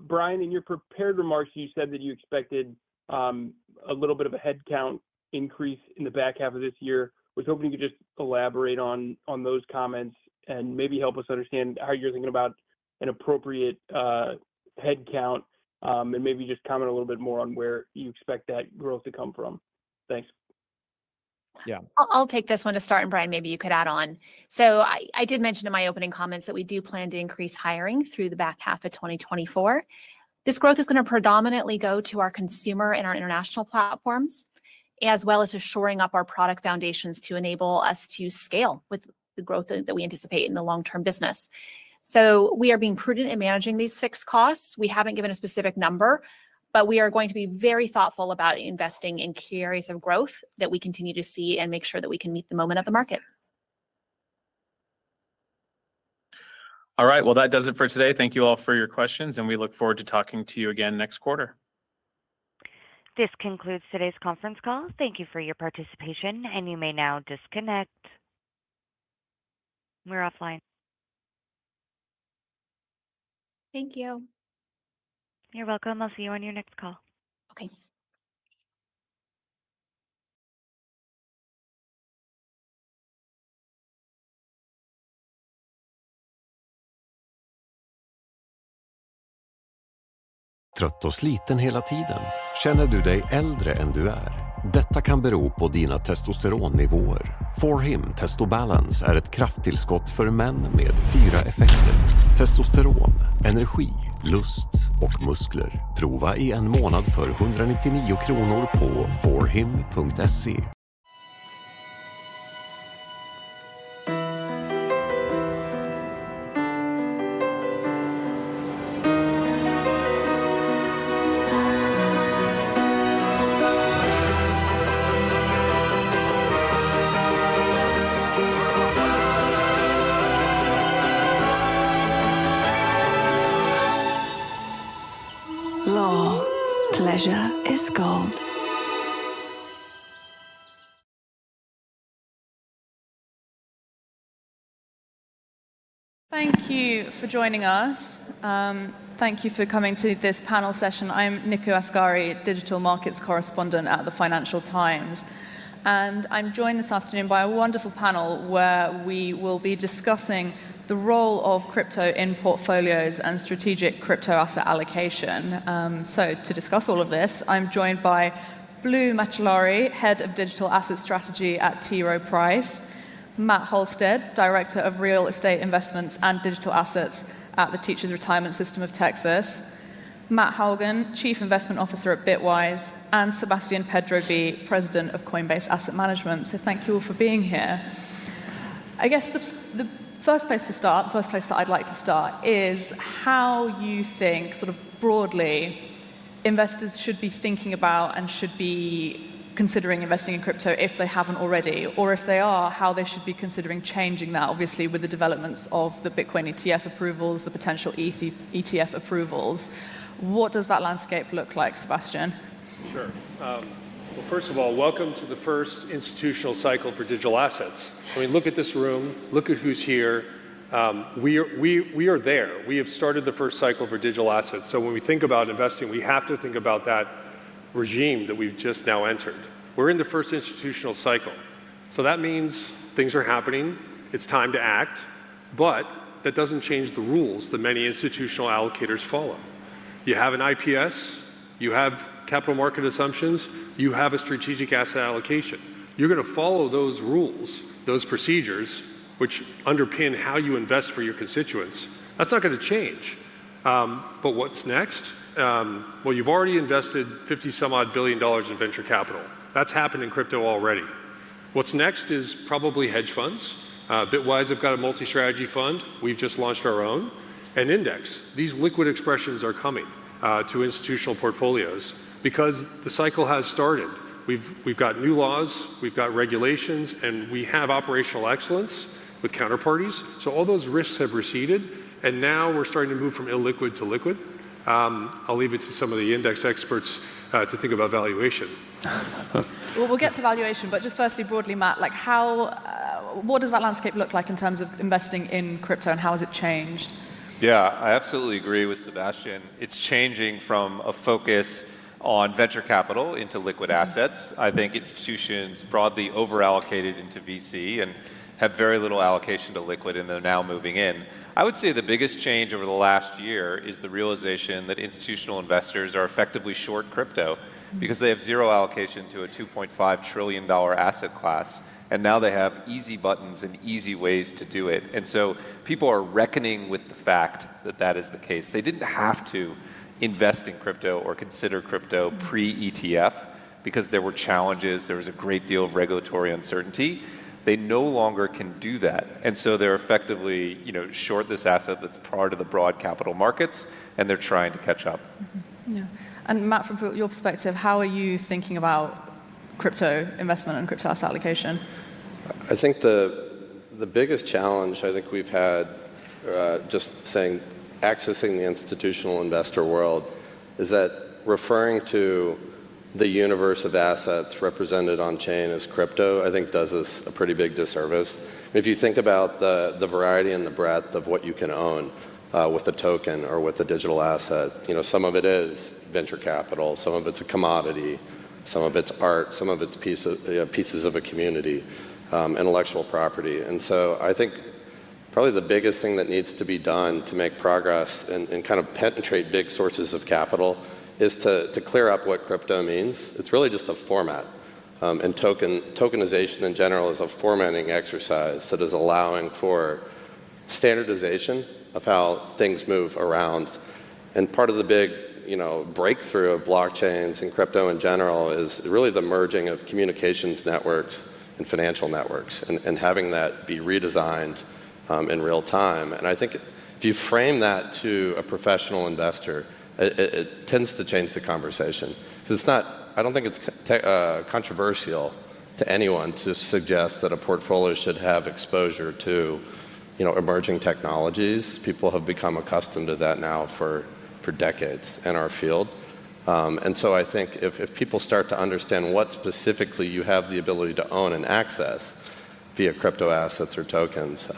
Brian, in your prepared remarks, you said that you expected a little bit of a headcount increase in the back half of this year. I was hoping you could just elaborate on those comments and maybe help us understand how you're thinking about an appropriate headcount and maybe just comment a little bit more on where you expect that growth to come from. Thanks. Yeah. I'll take this one to start. Brian, maybe you could add on. So I did mention in my opening comments that we do plan to increase hiring through the back half of 2024. This growth is going to predominantly go to our consumer and our international platforms, as well as to shoring up our product foundations to enable us to scale with the growth that we anticipate in the long-term business. So we are being prudent in managing these fixed costs. We haven't given a specific number. But we are going to be very thoughtful about investing in key areas of growth that we continue to see and make sure that we can meet the moment of the market. All right. Well, that does it for today. Thank you all for your questions. We look forward to talking to you again next quarter. This concludes today's conference call. Thank you for your participation. You may now disconnect. We're offline. Thank you. You're welcome. I'll see you on your next call. Okay. Thank you for joining us. Thank you for coming to this panel session. I'm Nikou Asgari, digital markets correspondent at the Financial Times. I'm joined this afternoon by a wonderful panel where we will be discussing the role of crypto in portfolios and strategic crypto asset allocation. To discuss all of this, I'm joined by Blue Macellari, Head of Digital Asset Strategy at T. Rowe Price; Matt Halstead, Director of Real Estate Investments and Digital Assets at the Teacher Retirement System of Texas; Matt Hougan, Chief Investment Officer at Bitwise; and Sebastian Pedro Bea, President of Coinbase Asset Management. Thank you all for being here. I guess the first place to start, the first place that I'd like to start, is how you think sort of broadly investors should be thinking about and should be considering investing in crypto if they haven't already. Or if they are, how they should be considering changing that, obviously, with the developments of the Bitcoin ETF approvals, the potential ETF approvals? What does that landscape look like, Sebastian? Sure. Well, first of all, welcome to the first institutional cycle for digital assets. I mean, look at this room. Look at who's here. We are there. We have started the first cycle for digital assets. So when we think about investing, we have to think about that regime that we've just now entered. We're in the first institutional cycle. So that means things are happening. It's time to act. But that doesn't change the rules that many institutional allocators follow. You have an IPS. You have capital market assumptions. You have a strategic asset allocation. You're going to follow those rules, those procedures, which underpin how you invest for your constituents. That's not going to change. But what's next? Well, you've already invested $50-some-odd billion in venture capital. That's happened in crypto already. What's next is probably hedge funds. Bitwise have got a multi-strategy fund. We've just launched our own index. These liquid expressions are coming to institutional portfolios because the cycle has started. We've got new laws. We've got regulations. We have operational excellence with counterparties. So all those risks have receded. Now we're starting to move from illiquid to liquid. I'll leave it to some of the index experts to think about valuation. Well, we'll get to valuation. But just firstly, broadly, Matt, what does that landscape look like in terms of investing in crypto? And how has it changed? Yeah, I absolutely agree with Sebastian. It's changing from a focus on venture capital into liquid assets. I think institutions broadly overallocated into VC and have very little allocation to liquid. They're now moving in. I would say the biggest change over the last year is the realization that institutional investors are effectively short crypto because they have zero allocation to a $2.5 trillion asset class. Now they have easy buttons and easy ways to do it. So people are reckoning with the fact that that is the case. They didn't have to invest in crypto or consider crypto pre-ETF because there were challenges. There was a great deal of regulatory uncertainty. They no longer can do that. So they're effectively short this asset that's part of the broad capital markets. They're trying to catch up. Yeah. And Matt, from your perspective, how are you thinking about crypto investment and crypto asset allocation? I think the biggest challenge I think we've had, just saying, accessing the institutional investor world, is that referring to the universe of assets represented on-chain as crypto, I think, does us a pretty big disservice. If you think about the variety and the breadth of what you can own with a token or with a digital asset, some of it is venture capital. Some of it's a commodity. Some of it's art. Some of it's pieces of a community, intellectual property. And so I think probably the biggest thing that needs to be done to make progress and kind of penetrate big sources of capital is to clear up what crypto means. It's really just a format. And tokenization, in general, is a formatting exercise that is allowing for standardization of how things move around. Part of the big breakthrough of blockchains and crypto in general is really the merging of communications networks and financial networks and having that be redesigned in real time. And I think if you frame that to a professional investor, it tends to change the conversation. I don't think it's controversial to anyone to suggest that a portfolio should have exposure to emerging technologies. People have become accustomed to that now for decades in our field. And so I think if people start to understand what specifically you have the ability to own and access via crypto assets or tokens,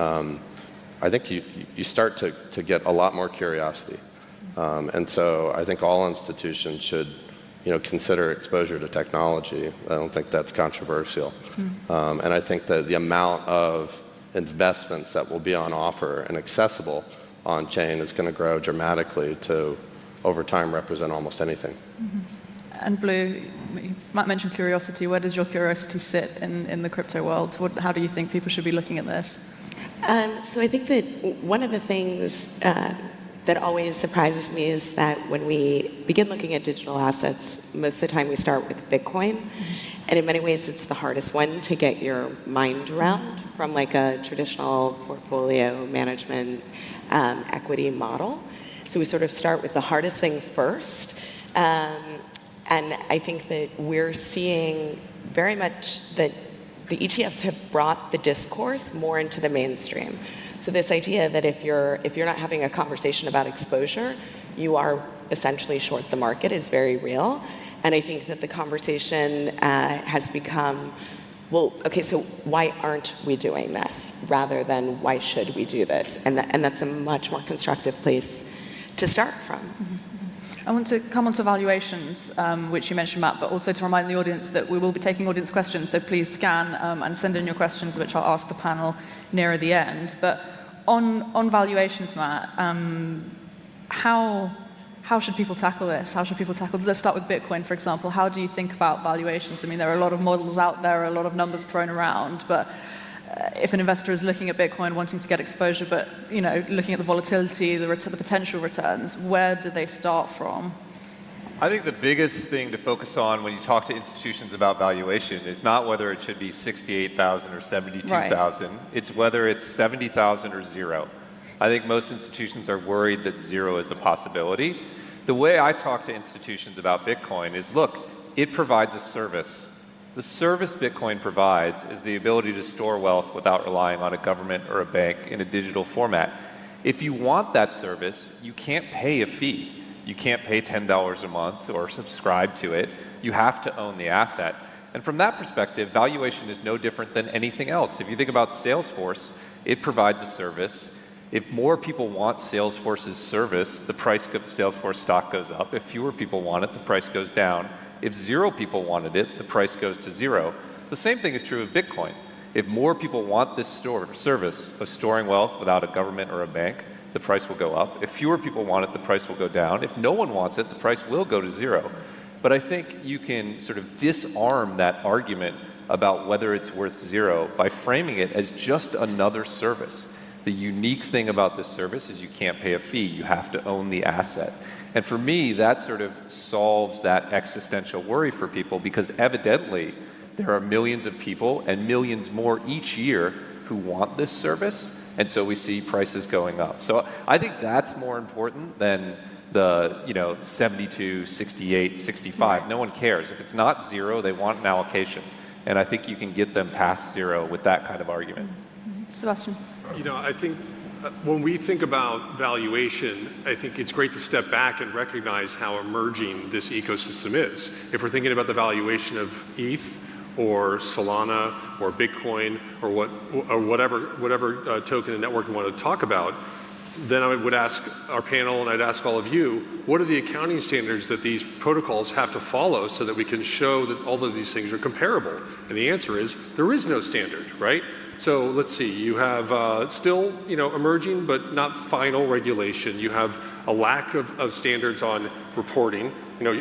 I think you start to get a lot more curiosity. And so I think all institutions should consider exposure to technology. I don't think that's controversial. I think that the amount of investments that will be on offer and accessible on-chain is going to grow dramatically to, over time, represent almost anything. Blue, Matt mentioned curiosity. Where does your curiosity sit in the crypto world? How do you think people should be looking at this? So I think that one of the things that always surprises me is that when we begin looking at digital assets, most of the time we start with Bitcoin. And in many ways, it's the hardest one to get your mind around from a traditional portfolio management equity model. So we sort of start with the hardest thing first. And I think that we're seeing very much that the ETFs have brought the discourse more into the mainstream. So this idea that if you're not having a conversation about exposure, you are essentially short the market is very real. And I think that the conversation has become, well, OK, so why aren't we doing this? Rather than why should we do this? And that's a much more constructive place to start from. I want to come on to valuations, which you mentioned, Matt. But also to remind the audience that we will be taking audience questions. So please scan and send in your questions, which I'll ask the panel nearer the end. But on valuations, Matt, how should people tackle this? How should people tackle this? Let's start with Bitcoin, for example. How do you think about valuations? I mean, there are a lot of models out there, a lot of numbers thrown around. But if an investor is looking at Bitcoin, wanting to get exposure, but looking at the volatility, the potential returns, where do they start from? I think the biggest thing to focus on when you talk to institutions about valuation is not whether it should be 68,000 or 72,000. It's whether it's 70,000 or zero. I think most institutions are worried that zero is a possibility. The way I talk to institutions about Bitcoin is, look, it provides a service. The service Bitcoin provides is the ability to store wealth without relying on a government or a bank in a digital format. If you want that service, you can't pay a fee. You can't pay $10 a month or subscribe to it. You have to own the asset. From that perspective, valuation is no different than anything else. If you think about Salesforce, it provides a service. If more people want Salesforce's service, the price of Salesforce stock goes up. If fewer people want it, the price goes down. If zero people wanted it, the price goes to zero. The same thing is true of Bitcoin. If more people want this service of storing wealth without a government or a bank, the price will go up. If fewer people want it, the price will go down. If no one wants it, the price will go to zero. But I think you can sort of disarm that argument about whether it's worth zero by framing it as just another service. The unique thing about this service is you can't pay a fee. You have to own the asset. And for me, that sort of solves that existential worry for people because evidently there are millions of people and millions more each year who want this service. And so we see prices going up. So I think that's more important than the 72, 68, 65. No one cares. If it's not zero, they want an allocation. I think you can get them past zero with that kind of argument. Sebastian? You know, I think when we think about valuation, I think it's great to step back and recognize how emerging this ecosystem is. If we're thinking about the valuation of ETH or Solana or Bitcoin or whatever token and network you want to talk about, then I would ask our panel and I'd ask all of you, what are the accounting standards that these protocols have to follow so that we can show that all of these things are comparable? And the answer is there is no standard, right? So let's see. You have still emerging but not final regulation. You have a lack of standards on reporting.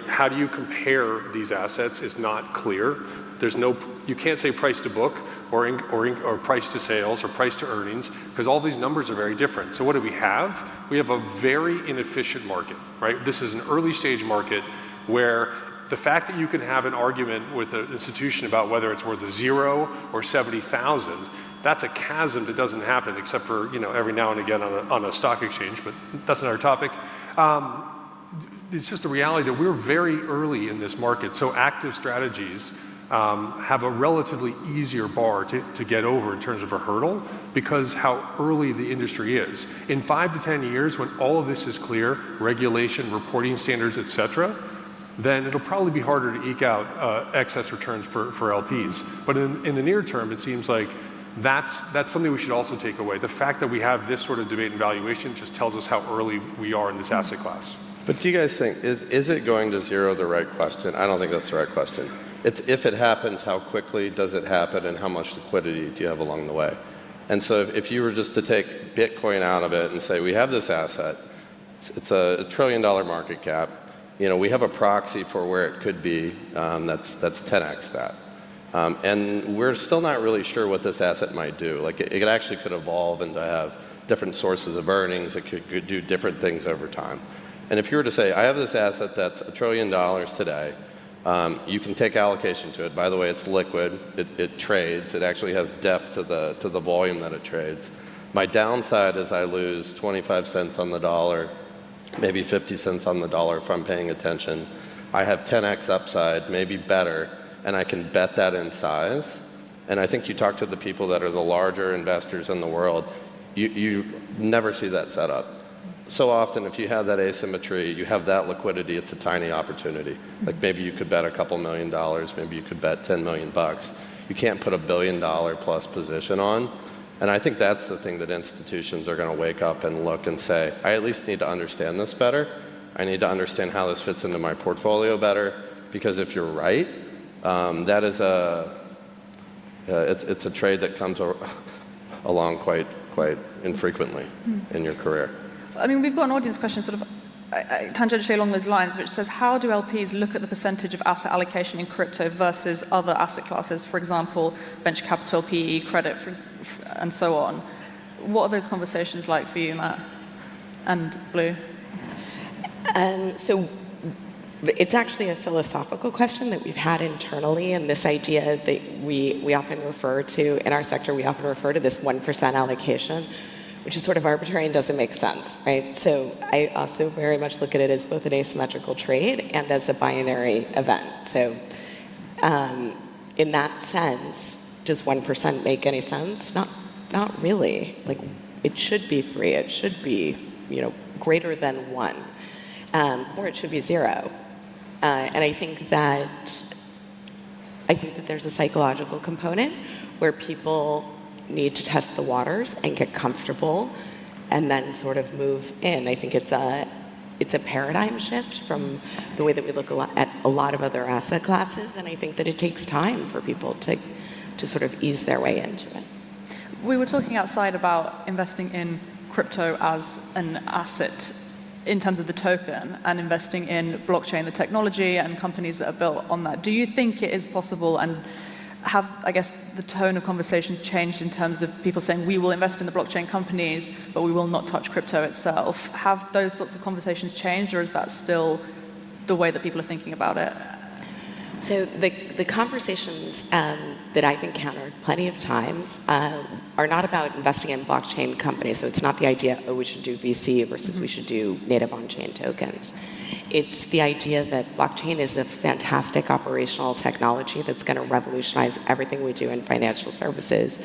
How do you compare these assets is not clear. You can't say price to book or price to sales or price to earnings because all these numbers are very different. So what do we have? We have a very inefficient market, right? This is an early stage market where the fact that you can have an argument with an institution about whether it's worth a zero or 70,000, that's a chasm that doesn't happen except for every now and again on a stock exchange. But that's another topic. It's just a reality that we're very early in this market. So active strategies have a relatively easier bar to get over in terms of a hurdle because of how early the industry is. In 5-10 years, when all of this is clear, regulation, reporting standards, et cetera, then it'll probably be harder to eke out excess returns for LPs. But in the near term, it seems like that's something we should also take away. The fact that we have this sort of debate in valuation just tells us how early we are in this asset class. But do you guys think, is it going to zero? The right question. I don't think that's the right question. It's if it happens, how quickly does it happen? And how much liquidity do you have along the way? And so if you were just to take Bitcoin out of it and say, we have this asset. It's a $1 trillion market cap. We have a proxy for where it could be that's 10x that. And we're still not really sure what this asset might do. It actually could evolve and have different sources of earnings. It could do different things over time. And if you were to say, I have this asset that's a $1 trillion today. You can take allocation to it. By the way, it's liquid. It trades. It actually has depth to the volume that it trades. My downside is I lose $0.25 on the dollar, maybe $0.50 on the dollar if I'm paying attention. I have 10x upside, maybe better. I can bet that in size. I think you talk to the people that are the larger investors in the world, you never see that setup. So often, if you have that asymmetry, you have that liquidity, it's a tiny opportunity. Maybe you could bet a couple million dollars. Maybe you could bet $10 million. You can't put a $1 billion+ position on. I think that's the thing that institutions are going to wake up and look and say, I at least need to understand this better. I need to understand how this fits into my portfolio better. Because if you're right, it's a trade that comes along quite infrequently in your career. I mean, we've got an audience question sort of tangentially along those lines, which says, how do LPs look at the percentage of asset allocation in crypto versus other asset classes, for example, venture capital, PE, credit, and so on? What are those conversations like for you, Matt? And Blue? It's actually a philosophical question that we've had internally. This idea that we often refer to in our sector, we often refer to this 1% allocation, which is sort of arbitrary and doesn't make sense, right? I also very much look at it as both an asymmetrical trade and as a binary event. In that sense, does 1% make any sense? Not really. It should be three. It should be greater than one. Or it should be zero. I think that there's a psychological component where people need to test the waters and get comfortable and then sort of move in. I think it's a paradigm shift from the way that we look at a lot of other asset classes. I think that it takes time for people to sort of ease their way into it. We were talking outside about investing in crypto as an asset in terms of the token and investing in blockchain, the technology, and companies that are built on that. Do you think it is possible? And have, I guess, the tone of conversations changed in terms of people saying, we will invest in the blockchain companies, but we will not touch crypto itself? Have those sorts of conversations changed? Or is that still the way that people are thinking about it? The conversations that I've encountered plenty of times are not about investing in blockchain companies. It's not the idea, oh, we should do VC versus we should do native on-chain tokens. It's the idea that blockchain is a fantastic operational technology that's going to revolutionize everything we do in financial services.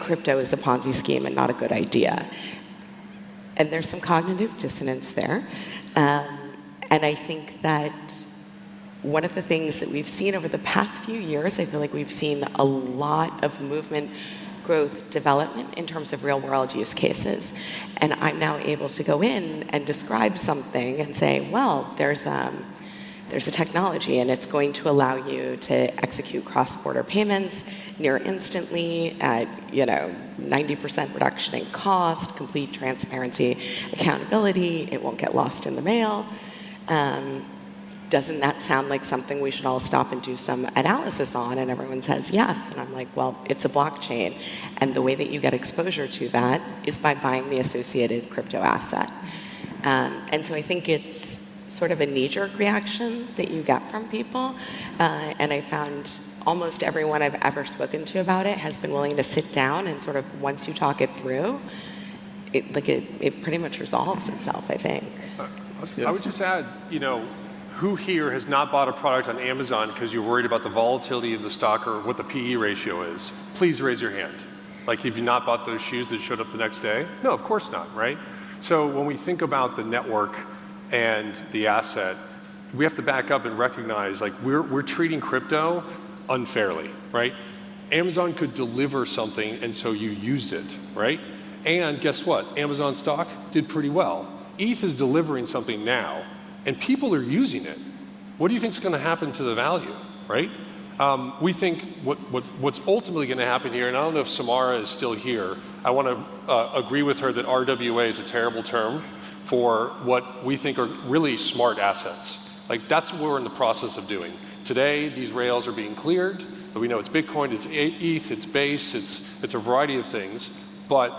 Crypto is a Ponzi scheme and not a good idea. There's some cognitive dissonance there. I think that one of the things that we've seen over the past few years, I feel like we've seen a lot of movement, growth, development in terms of real-world use cases. I'm now able to go in and describe something and say, well, there's a technology. It's going to allow you to execute cross-border payments near instantly, 90% reduction in cost, complete transparency, accountability. It won't get lost in the mail. Doesn't that sound like something we should all stop and do some analysis on? And everyone says, yes. And I'm like, well, it's a blockchain. And the way that you get exposure to that is by buying the associated crypto asset. And so I think it's sort of a knee-jerk reaction that you get from people. And I found almost everyone I've ever spoken to about it has been willing to sit down. And sort of once you talk it through, it pretty much resolves itself, I think. I would just add, who here has not bought a product on Amazon because you're worried about the volatility of the stock or what the PE ratio is? Please raise your hand. If you've not bought those shoes, they showed up the next day? No, of course not, right? So when we think about the network and the asset, we have to back up and recognize we're treating crypto unfairly, right? Amazon could deliver something. And so you used it, right? And guess what? Amazon stock did pretty well. ETH is delivering something now. And people are using it. What do you think is going to happen to the value, right? We think what's ultimately going to happen here, and I don't know if Samara is still here, I want to agree with her that RWA is a terrible term for what we think are really smart assets. That's what we're in the process of doing. Today, these rails are being cleared. But we know it's Bitcoin. It's ETH. It's Base. It's a variety of things. But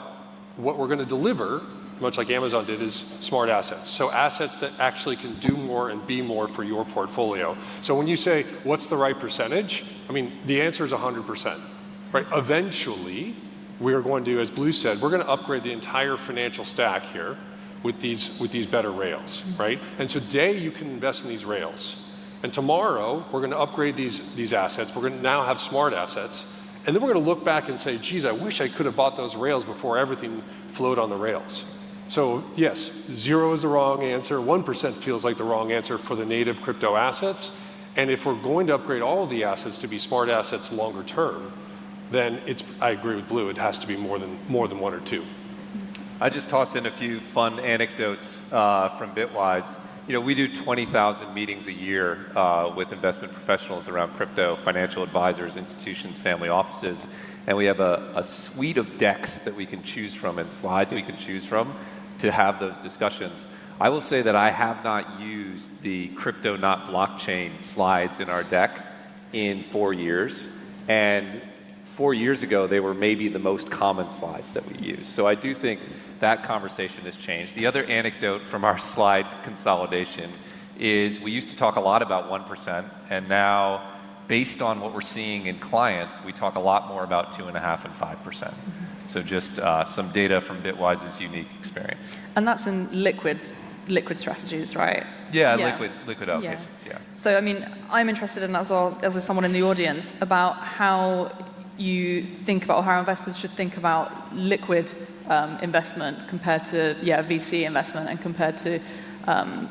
what we're going to deliver, much like Amazon did, is smart assets. So assets that actually can do more and be more for your portfolio. So when you say, what's the right percentage? I mean, the answer is 100%. Eventually, we are going to, as Blue said, we're going to upgrade the entire financial stack here with these better rails, right? And so today, you can invest in these rails. And tomorrow, we're going to upgrade these assets. We're going to now have smart assets. And then we're going to look back and say, geez, I wish I could have bought those rails before everything flowed on the rails. So yes, zero is the wrong answer. 1% feels like the wrong answer for the native crypto assets. If we're going to upgrade all of the assets to be smart assets longer term, then I agree with Blue. It has to be more than one or two. I just tossed in a few fun anecdotes from Bitwise. We do 20,000 meetings a year with investment professionals around crypto, financial advisors, institutions, family offices. We have a suite of decks that we can choose from and slides that we can choose from to have those discussions. I will say that I have not used the crypto, not blockchain slides in our deck in four years. Four years ago, they were maybe the most common slides that we used. So I do think that conversation has changed. The other anecdote from our slide consolidation is we used to talk a lot about 1%. And now, based on what we're seeing in clients, we talk a lot more about 2.5% and 5%. So just some data from Bitwise's unique experience. That's in liquid strategies, right? Yeah, liquid allocations, yeah. I mean, I'm interested in, as well as someone in the audience, about how you think about how investors should think about liquid investment compared to VC investment and compared to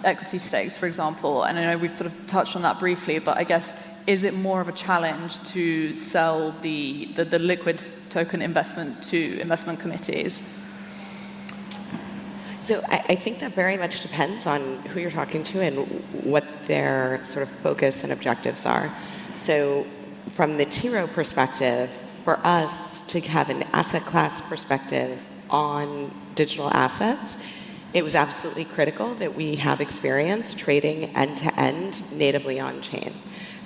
equity stakes, for example. I know we've sort of touched on that briefly. I guess, is it more of a challenge to sell the liquid token investment to investment committees? So I think that very much depends on who you're talking to and what their sort of focus and objectives are. So from the T. Rowe perspective, for us to have an asset class perspective on digital assets, it was absolutely critical that we have experience trading end-to-end natively on-chain,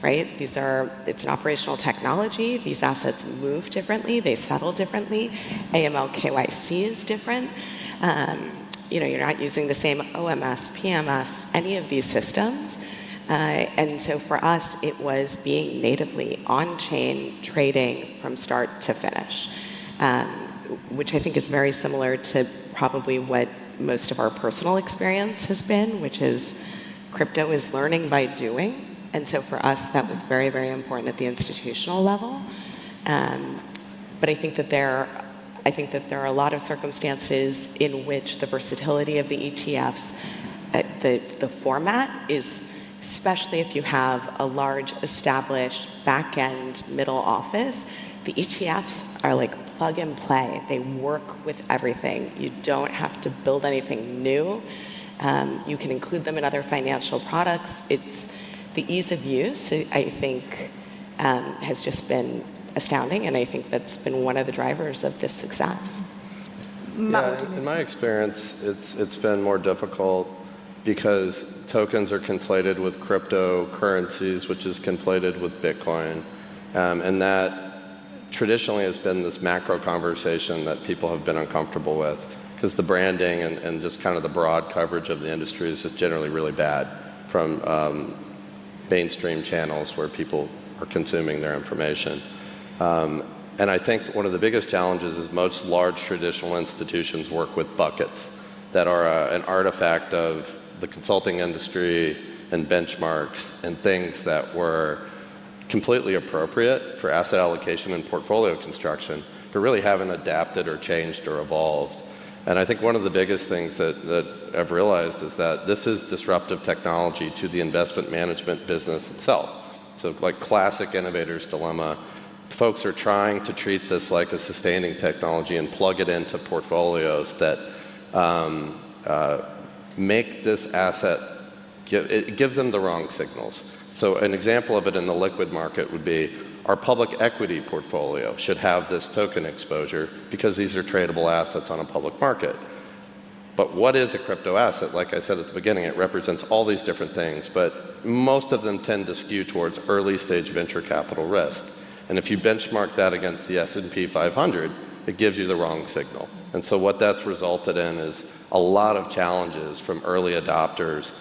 right? It's an operational technology. These assets move differently. They settle differently. AML, KYC is different. You're not using the same OMS, PMS, any of these systems. And so for us, it was being natively on-chain trading from start to finish, which I think is very similar to probably what most of our personal experience has been, which is crypto is learning by doing. And so for us, that was very, very important at the institutional level. I think that there are a lot of circumstances in which the versatility of the ETFs, the format, especially if you have a large established back-end middle office, the ETFs are like plug and play. They work with everything. You don't have to build anything new. You can include them in other financial products. It's the ease of use, I think, has just been astounding. I think that's been one of the drivers of this success. In my experience, it's been more difficult because tokens are conflated with cryptocurrencies, which is conflated with Bitcoin. And that traditionally has been this macro conversation that people have been uncomfortable with because the branding and just kind of the broad coverage of the industry is just generally really bad from mainstream channels where people are consuming their information. And I think one of the biggest challenges is most large traditional institutions work with buckets that are an artifact of the consulting industry and benchmarks and things that were completely appropriate for asset allocation and portfolio construction, but really haven't adapted or changed or evolved. And I think one of the biggest things that I've realized is that this is disruptive technology to the investment management business itself. So, like classic innovator's dilemma, folks are trying to treat this like a sustaining technology and plug it into portfolios that make this asset give them the wrong signals. So, an example of it in the liquid market would be our public equity portfolio should have this token exposure because these are tradable assets on a public market. But what is a crypto asset? Like I said at the beginning, it represents all these different things. But most of them tend to skew towards early-stage venture capital risk. And if you benchmark that against the S&P 500, it gives you the wrong signal. And so what that's resulted in is a lot of challenges from early adopters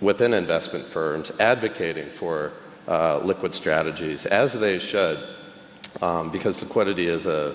within investment firms advocating for liquid strategies, as they should, because liquidity is a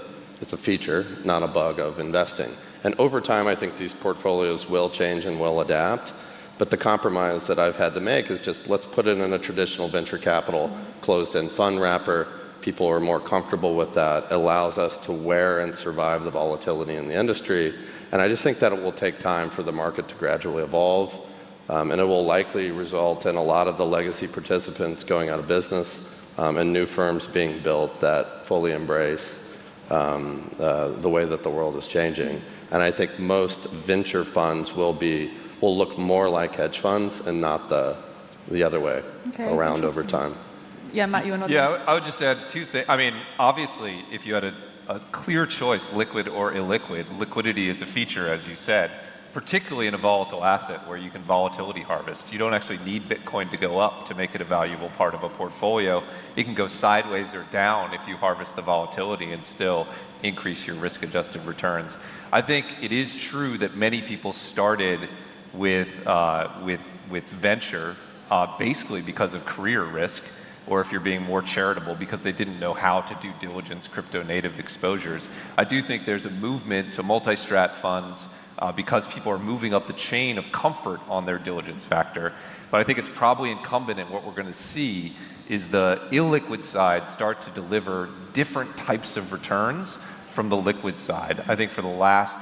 feature, not a bug of investing. And over time, I think these portfolios will change and will adapt. But the compromise that I've had to make is just let's put it in a traditional venture capital closed-end fund wrapper. People are more comfortable with that. It allows us to weather and survive the volatility in the industry. And I just think that it will take time for the market to gradually evolve. And it will likely result in a lot of the legacy participants going out of business and new firms being built that fully embrace the way that the world is changing. And I think most venture funds will look more like hedge funds and not the other way around over time. Yeah, Matt, you want to? Yeah, I would just add two things. I mean, obviously, if you had a clear choice, liquid or illiquid, liquidity is a feature, as you said, particularly in a volatile asset where you can volatility harvest. You don't actually need Bitcoin to go up to make it a valuable part of a portfolio. It can go sideways or down if you harvest the volatility and still increase your risk-adjusted returns. I think it is true that many people started with venture basically because of career risk or if you're being more charitable because they didn't know how to do diligence crypto-native exposures. I do think there's a movement to multi-strat funds because people are moving up the chain of comfort on their diligence factor. But I think it's probably incumbent in what we're going to see is the illiquid side start to deliver different types of returns from the liquid side. I think for the last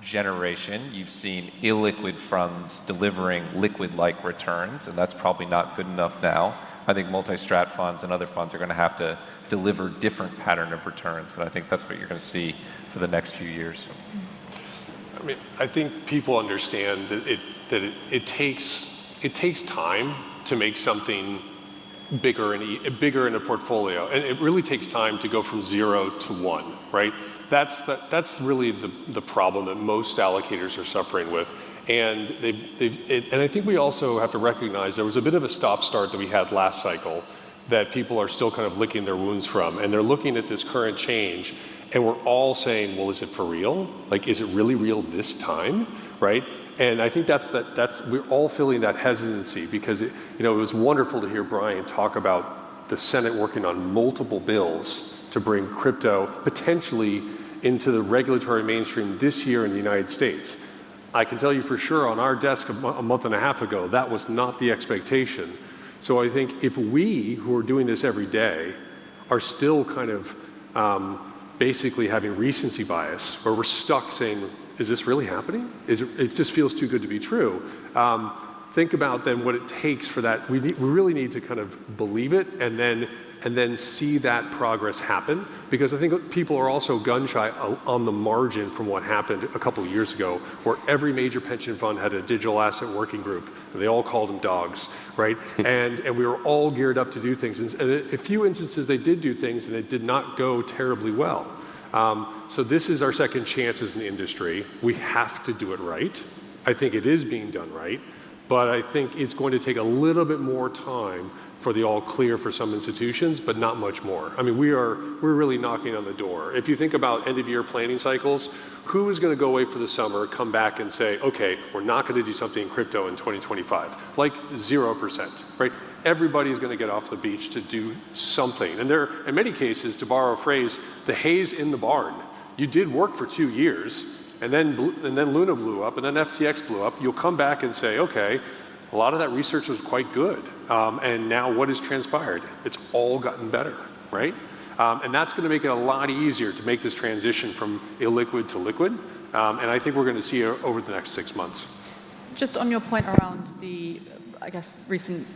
generation, you've seen illiquid funds delivering liquid-like returns. And that's probably not good enough now. I think multi-strat funds and other funds are going to have to deliver a different pattern of returns. And I think that's what you're going to see for the next few years. I mean, I think people understand that it takes time to make something bigger in a portfolio. And it really takes time to go from zero to one, right? That's really the problem that most allocators are suffering with. And I think we also have to recognize there was a bit of a stop-start that we had last cycle that people are still kind of licking their wounds from. They're looking at this current change. We're all saying, well, is it for real? Is it really real this time, right? I think we're all feeling that hesitancy because it was wonderful to hear Brian talk about the Senate working on multiple bills to bring crypto potentially into the regulatory mainstream this year in the United States. I can tell you for sure on our desk a month and a half ago, that was not the expectation. So I think if we, who are doing this every day, are still kind of basically having recency bias or we're stuck saying, is this really happening? It just feels too good to be true. Think about then what it takes for that. We really need to kind of believe it and then see that progress happen. Because I think people are also gun-shy on the margin from what happened a couple of years ago where every major pension fund had a digital asset working group. They all called them DAWGs, right? We were all geared up to do things. In a few instances, they did do things. It did not go terribly well. So this is our second chance as an industry. We have to do it right. I think it is being done right. But I think it's going to take a little bit more time for the all clear for some institutions, but not much more. I mean, we're really knocking on the door. If you think about end-of-year planning cycles, who is going to go away for the summer, come back and say, OK, we're not going to do something in crypto in 2025? Like 0%, right? Everybody is going to get off the beach to do something. And in many cases, to borrow a phrase, the hay's in the barn. You did work for two years. And then Luna blew up. And then FTX blew up. You'll come back and say, OK, a lot of that research was quite good. And now what has transpired? It's all gotten better, right? And that's going to make it a lot easier to make this transition from illiquid to liquid. And I think we're going to see it over the next six months. Just on your point around the, I guess,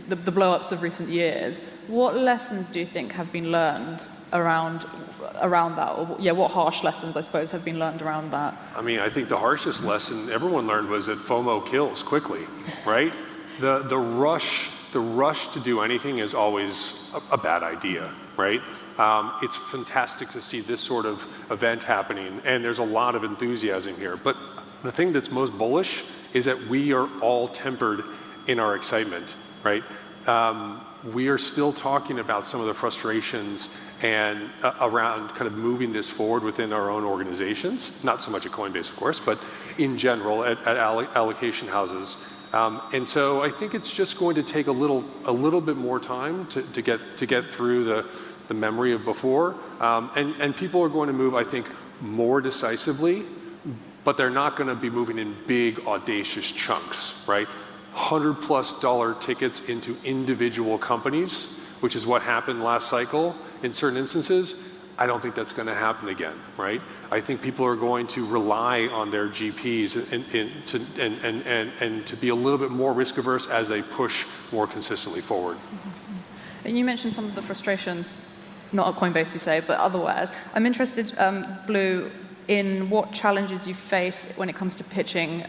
blow-ups of recent years, what lessons do you think have been learned around that? Or what harsh lessons, I suppose, have been learned around that? I mean, I think the harshest lesson everyone learned was that FOMO kills quickly, right? The rush to do anything is always a bad idea, right? It's fantastic to see this sort of event happening. There's a lot of enthusiasm here. The thing that's most bullish is that we are all tempered in our excitement, right? We are still talking about some of the frustrations around kind of moving this forward within our own organizations, not so much at Coinbase, of course, but in general at allocation houses. I think it's just going to take a little bit more time to get through the memory of before. People are going to move, I think, more decisively. They're not going to be moving in big, audacious chunks, right? $100+ tickets into individual companies, which is what happened last cycle in certain instances, I don't think that's going to happen again, right? I think people are going to rely on their GPs and to be a little bit more risk-averse as they push more consistently forward. You mentioned some of the frustrations, not at Coinbase, you say, but otherwise. I'm interested, Blue, in what challenges you face when it comes to pitching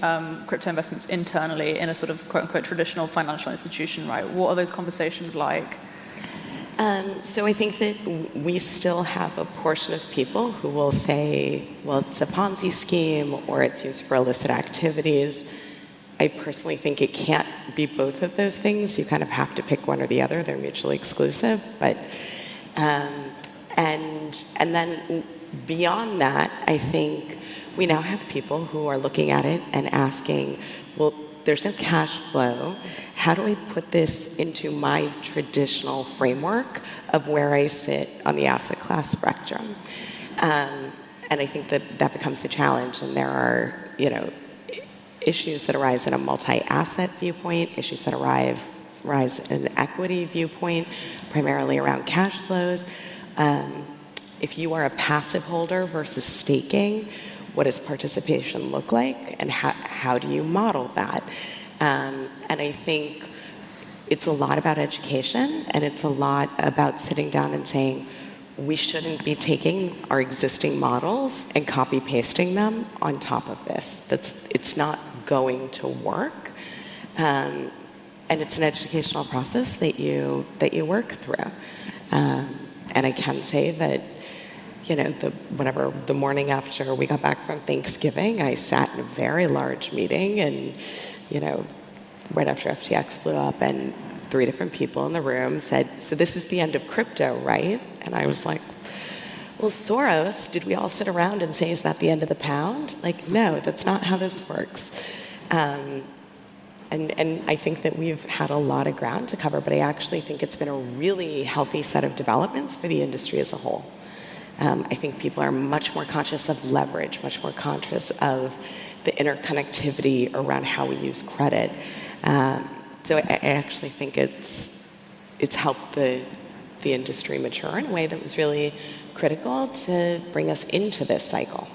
crypto investments internally in a sort of "traditional" financial institution, right? What are those conversations like? So I think that we still have a portion of people who will say, well, it's a Ponzi scheme or it's used for illicit activities. I personally think it can't be both of those things. You kind of have to pick one or the other. They're mutually exclusive. And then beyond that, I think we now have people who are looking at it and asking, well, there's no cash flow. How do I put this into my traditional framework of where I sit on the asset class spectrum? And I think that becomes a challenge. And there are issues that arise in a multi-asset viewpoint, issues that arise in an equity viewpoint, primarily around cash flows. If you are a passive holder versus staking, what does participation look like? And how do you model that? And I think it's a lot about education. It's a lot about sitting down and saying, we shouldn't be taking our existing models and copy-pasting them on top of this. It's not going to work. It's an educational process that you work through. I can say that the morning after we got back from Thanksgiving, I sat in a very large meeting. Right after FTX blew up, three different people in the room said, so this is the end of crypto, right? I was like, well, Soros, did we all sit around and say, is that the end of the pound? Like, no, that's not how this works. I think that we've had a lot of ground to cover. But I actually think it's been a really healthy set of developments for the industry as a whole. I think people are much more conscious of leverage, much more conscious of the interconnectivity around how we use credit. So I actually think it's helped the industry mature in a way that was really critical to bring us into this cycle.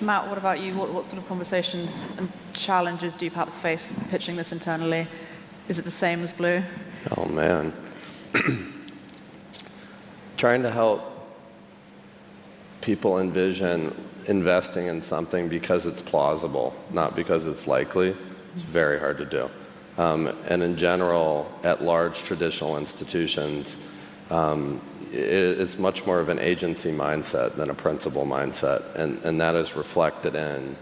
Matt, what about you? What sort of conversations and challenges do you perhaps face pitching this internally? Is it the same as Blue? Oh, man. Trying to help people envision investing in something because it's plausible, not because it's likely, it's very hard to do. And in general, at large traditional institutions, it's much more of an agency mindset than a principal mindset. And that is reflected in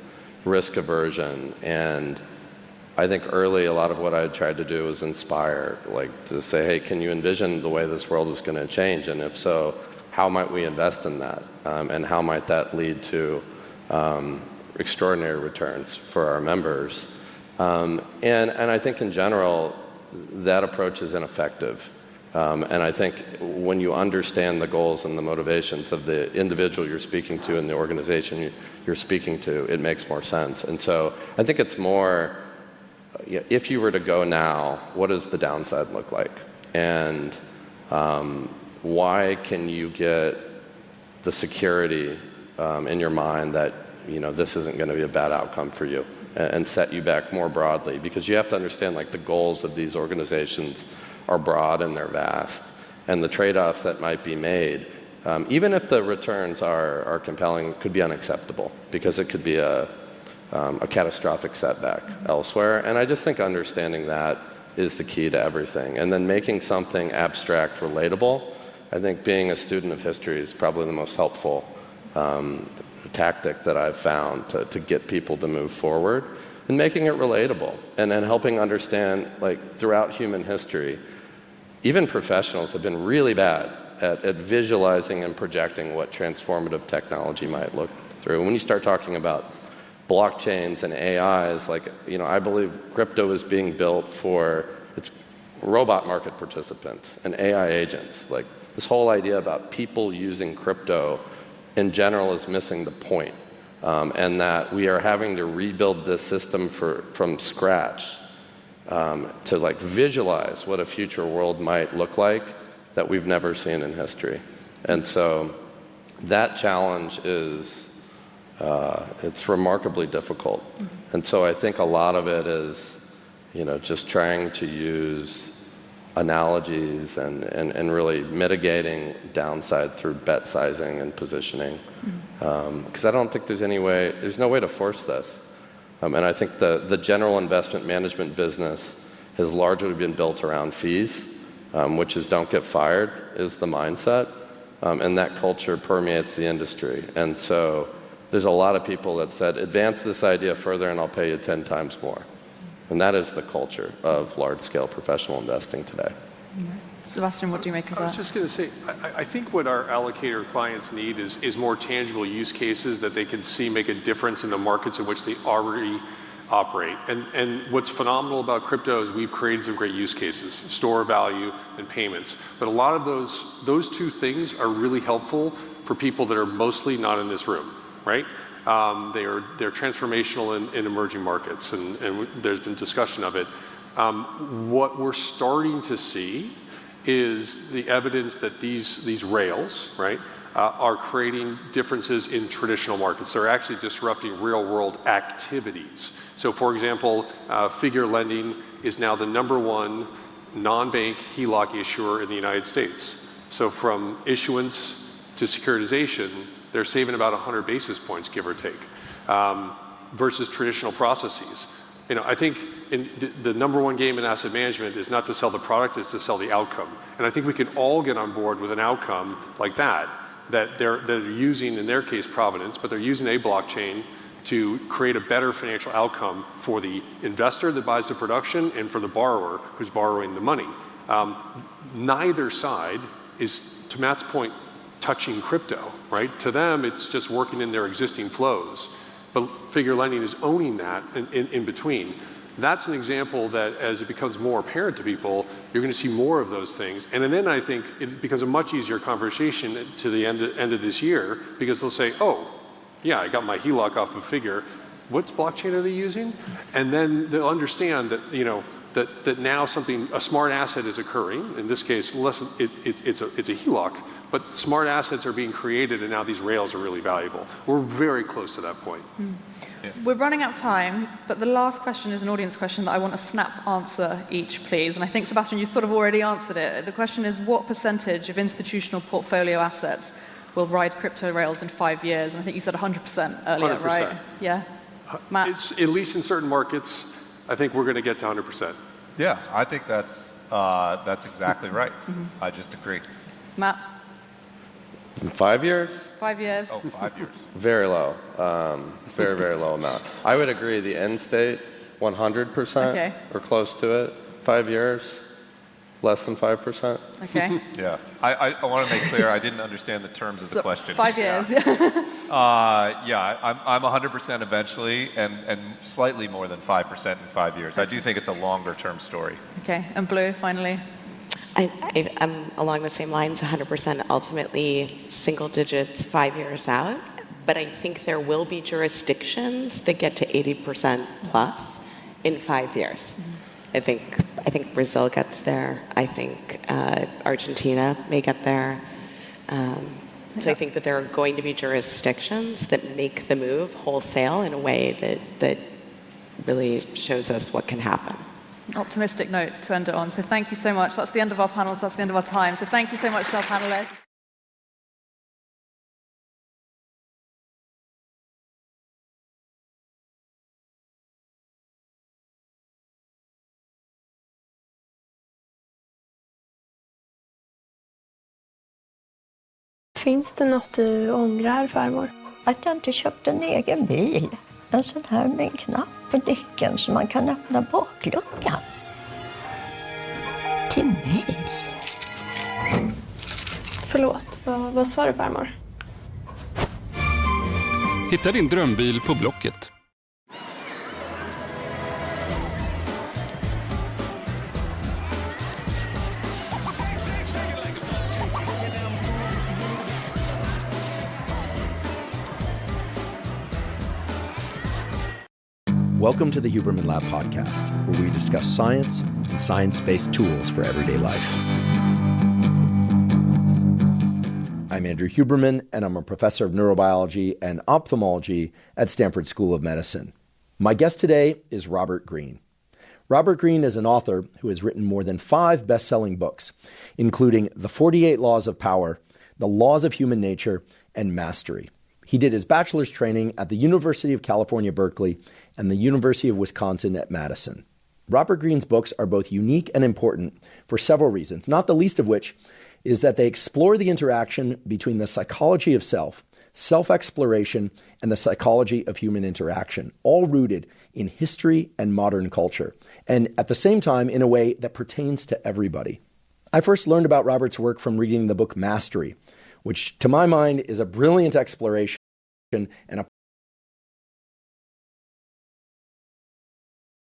risk aversion. And I think early, a lot of what I tried to do was inspire, to say, hey, can you envision the way this world is going to change? And if so, how might we invest in that? And how might that lead to extraordinary returns for our members? And I think in general, that approach is ineffective. And I think when you understand the goals and the motivations of the individual you're speaking to and the organization you're speaking to, it makes more sense. And so I think it's more, if you were to go now, what does the downside look like? And why can you get the security in your mind that this isn't going to be a bad outcome for you and set you back more broadly? Because you have to understand the goals of these organizations are broad and they're vast. And the trade-offs that might be made, even if the returns are compelling, could be unacceptable because it could be a catastrophic setback elsewhere. And I just think understanding that is the key to everything. And then making something abstract relatable, I think being a student of history is probably the most helpful tactic that I've found to get people to move forward. And making it relatable. And then helping understand throughout human history, even professionals have been really bad at visualizing and projecting what transformative technology might look through. When you start talking about blockchains and AIs, I believe crypto is being built for its robot market participants and AI agents. This whole idea about people using crypto in general is missing the point. That we are having to rebuild this system from scratch to visualize what a future world might look like that we've never seen in history. That challenge is remarkably difficult. I think a lot of it is just trying to use analogies and really mitigating downside through bet sizing and positioning. Because I don't think there's any way there's no way to force this. I think the general investment management business has largely been built around fees, which is don't get fired is the mindset. That culture permeates the industry. And so there's a lot of people that said, advance this idea further and I'll pay you 10 times more. And that is the culture of large-scale professional investing today. Sebastian, what do you make of that? I was just going to say, I think what our allocator clients need is more tangible use cases that they can see make a difference in the markets in which they already operate. And what's phenomenal about crypto is we've created some great use cases, store of value, and payments. But a lot of those two things are really helpful for people that are mostly not in this room, right? They're transformational in emerging markets. And there's been discussion of it. What we're starting to see is the evidence that these rails are creating differences in traditional markets. They're actually disrupting real-world activities. So for example, Figure Lending is now the number one non-bank HELOC issuer in the United States. So from issuance to securitization, they're saving about 100 basis points, give or take, versus traditional processes. I think the number one game in asset management is not to sell the product, it's to sell the outcome. I think we can all get on board with an outcome like that, that they're using, in their case, provenance, but they're using a blockchain to create a better financial outcome for the investor that buys the product and for the borrower who's borrowing the money. Neither side is, to Matt's point, touching crypto, right? To them, it's just working in their existing flows. Figure Lending is owning that in between. That's an example that as it becomes more apparent to people, you're going to see more of those things. Then I think it becomes a much easier conversation to the end of this year because they'll say, oh, yeah, I got my HELOC off of Figure. What blockchain are they using? And then they'll understand that now something, a smart asset, is occurring. In this case, it's a HELOC, but smart assets are being created. And now these rails are really valuable. We're very close to that point. We're running out of time. But the last question is an audience question that I want a snap answer each, please. And I think, Sebastian, you sort of already answered it. The question is, what percentage of institutional portfolio assets will ride crypto rails in five years? And I think you said 100% earlier, wasn't it? Yeah? At least in certain markets, I think we're going to get to 100%. Yeah, I think that's exactly right. I just agree. Matt? Five years? Five years. Oh, five years. Very low. Very, very low amount. I would agree the end state, 100% or close to it. Five years, less than 5%. OK. Yeah, I want to make clear I didn't understand the terms of the question. Five years, yeah. Yeah, I'm 100% eventually and slightly more than 5% in five years. I do think it's a longer-term story. Okay. And Blue, finally? I'm along the same lines, 100% ultimately single digits five years out. But I think there will be jurisdictions that get to 80%+ in five years. I think Brazil gets there. I think Argentina may get there. So I think that there are going to be jurisdictions that make the move wholesale in a way that really shows us what can happen. Optimistic note to end it on. So thank you so much. That's the end of our panels. That's the end of our time. So thank you so much to our panelists.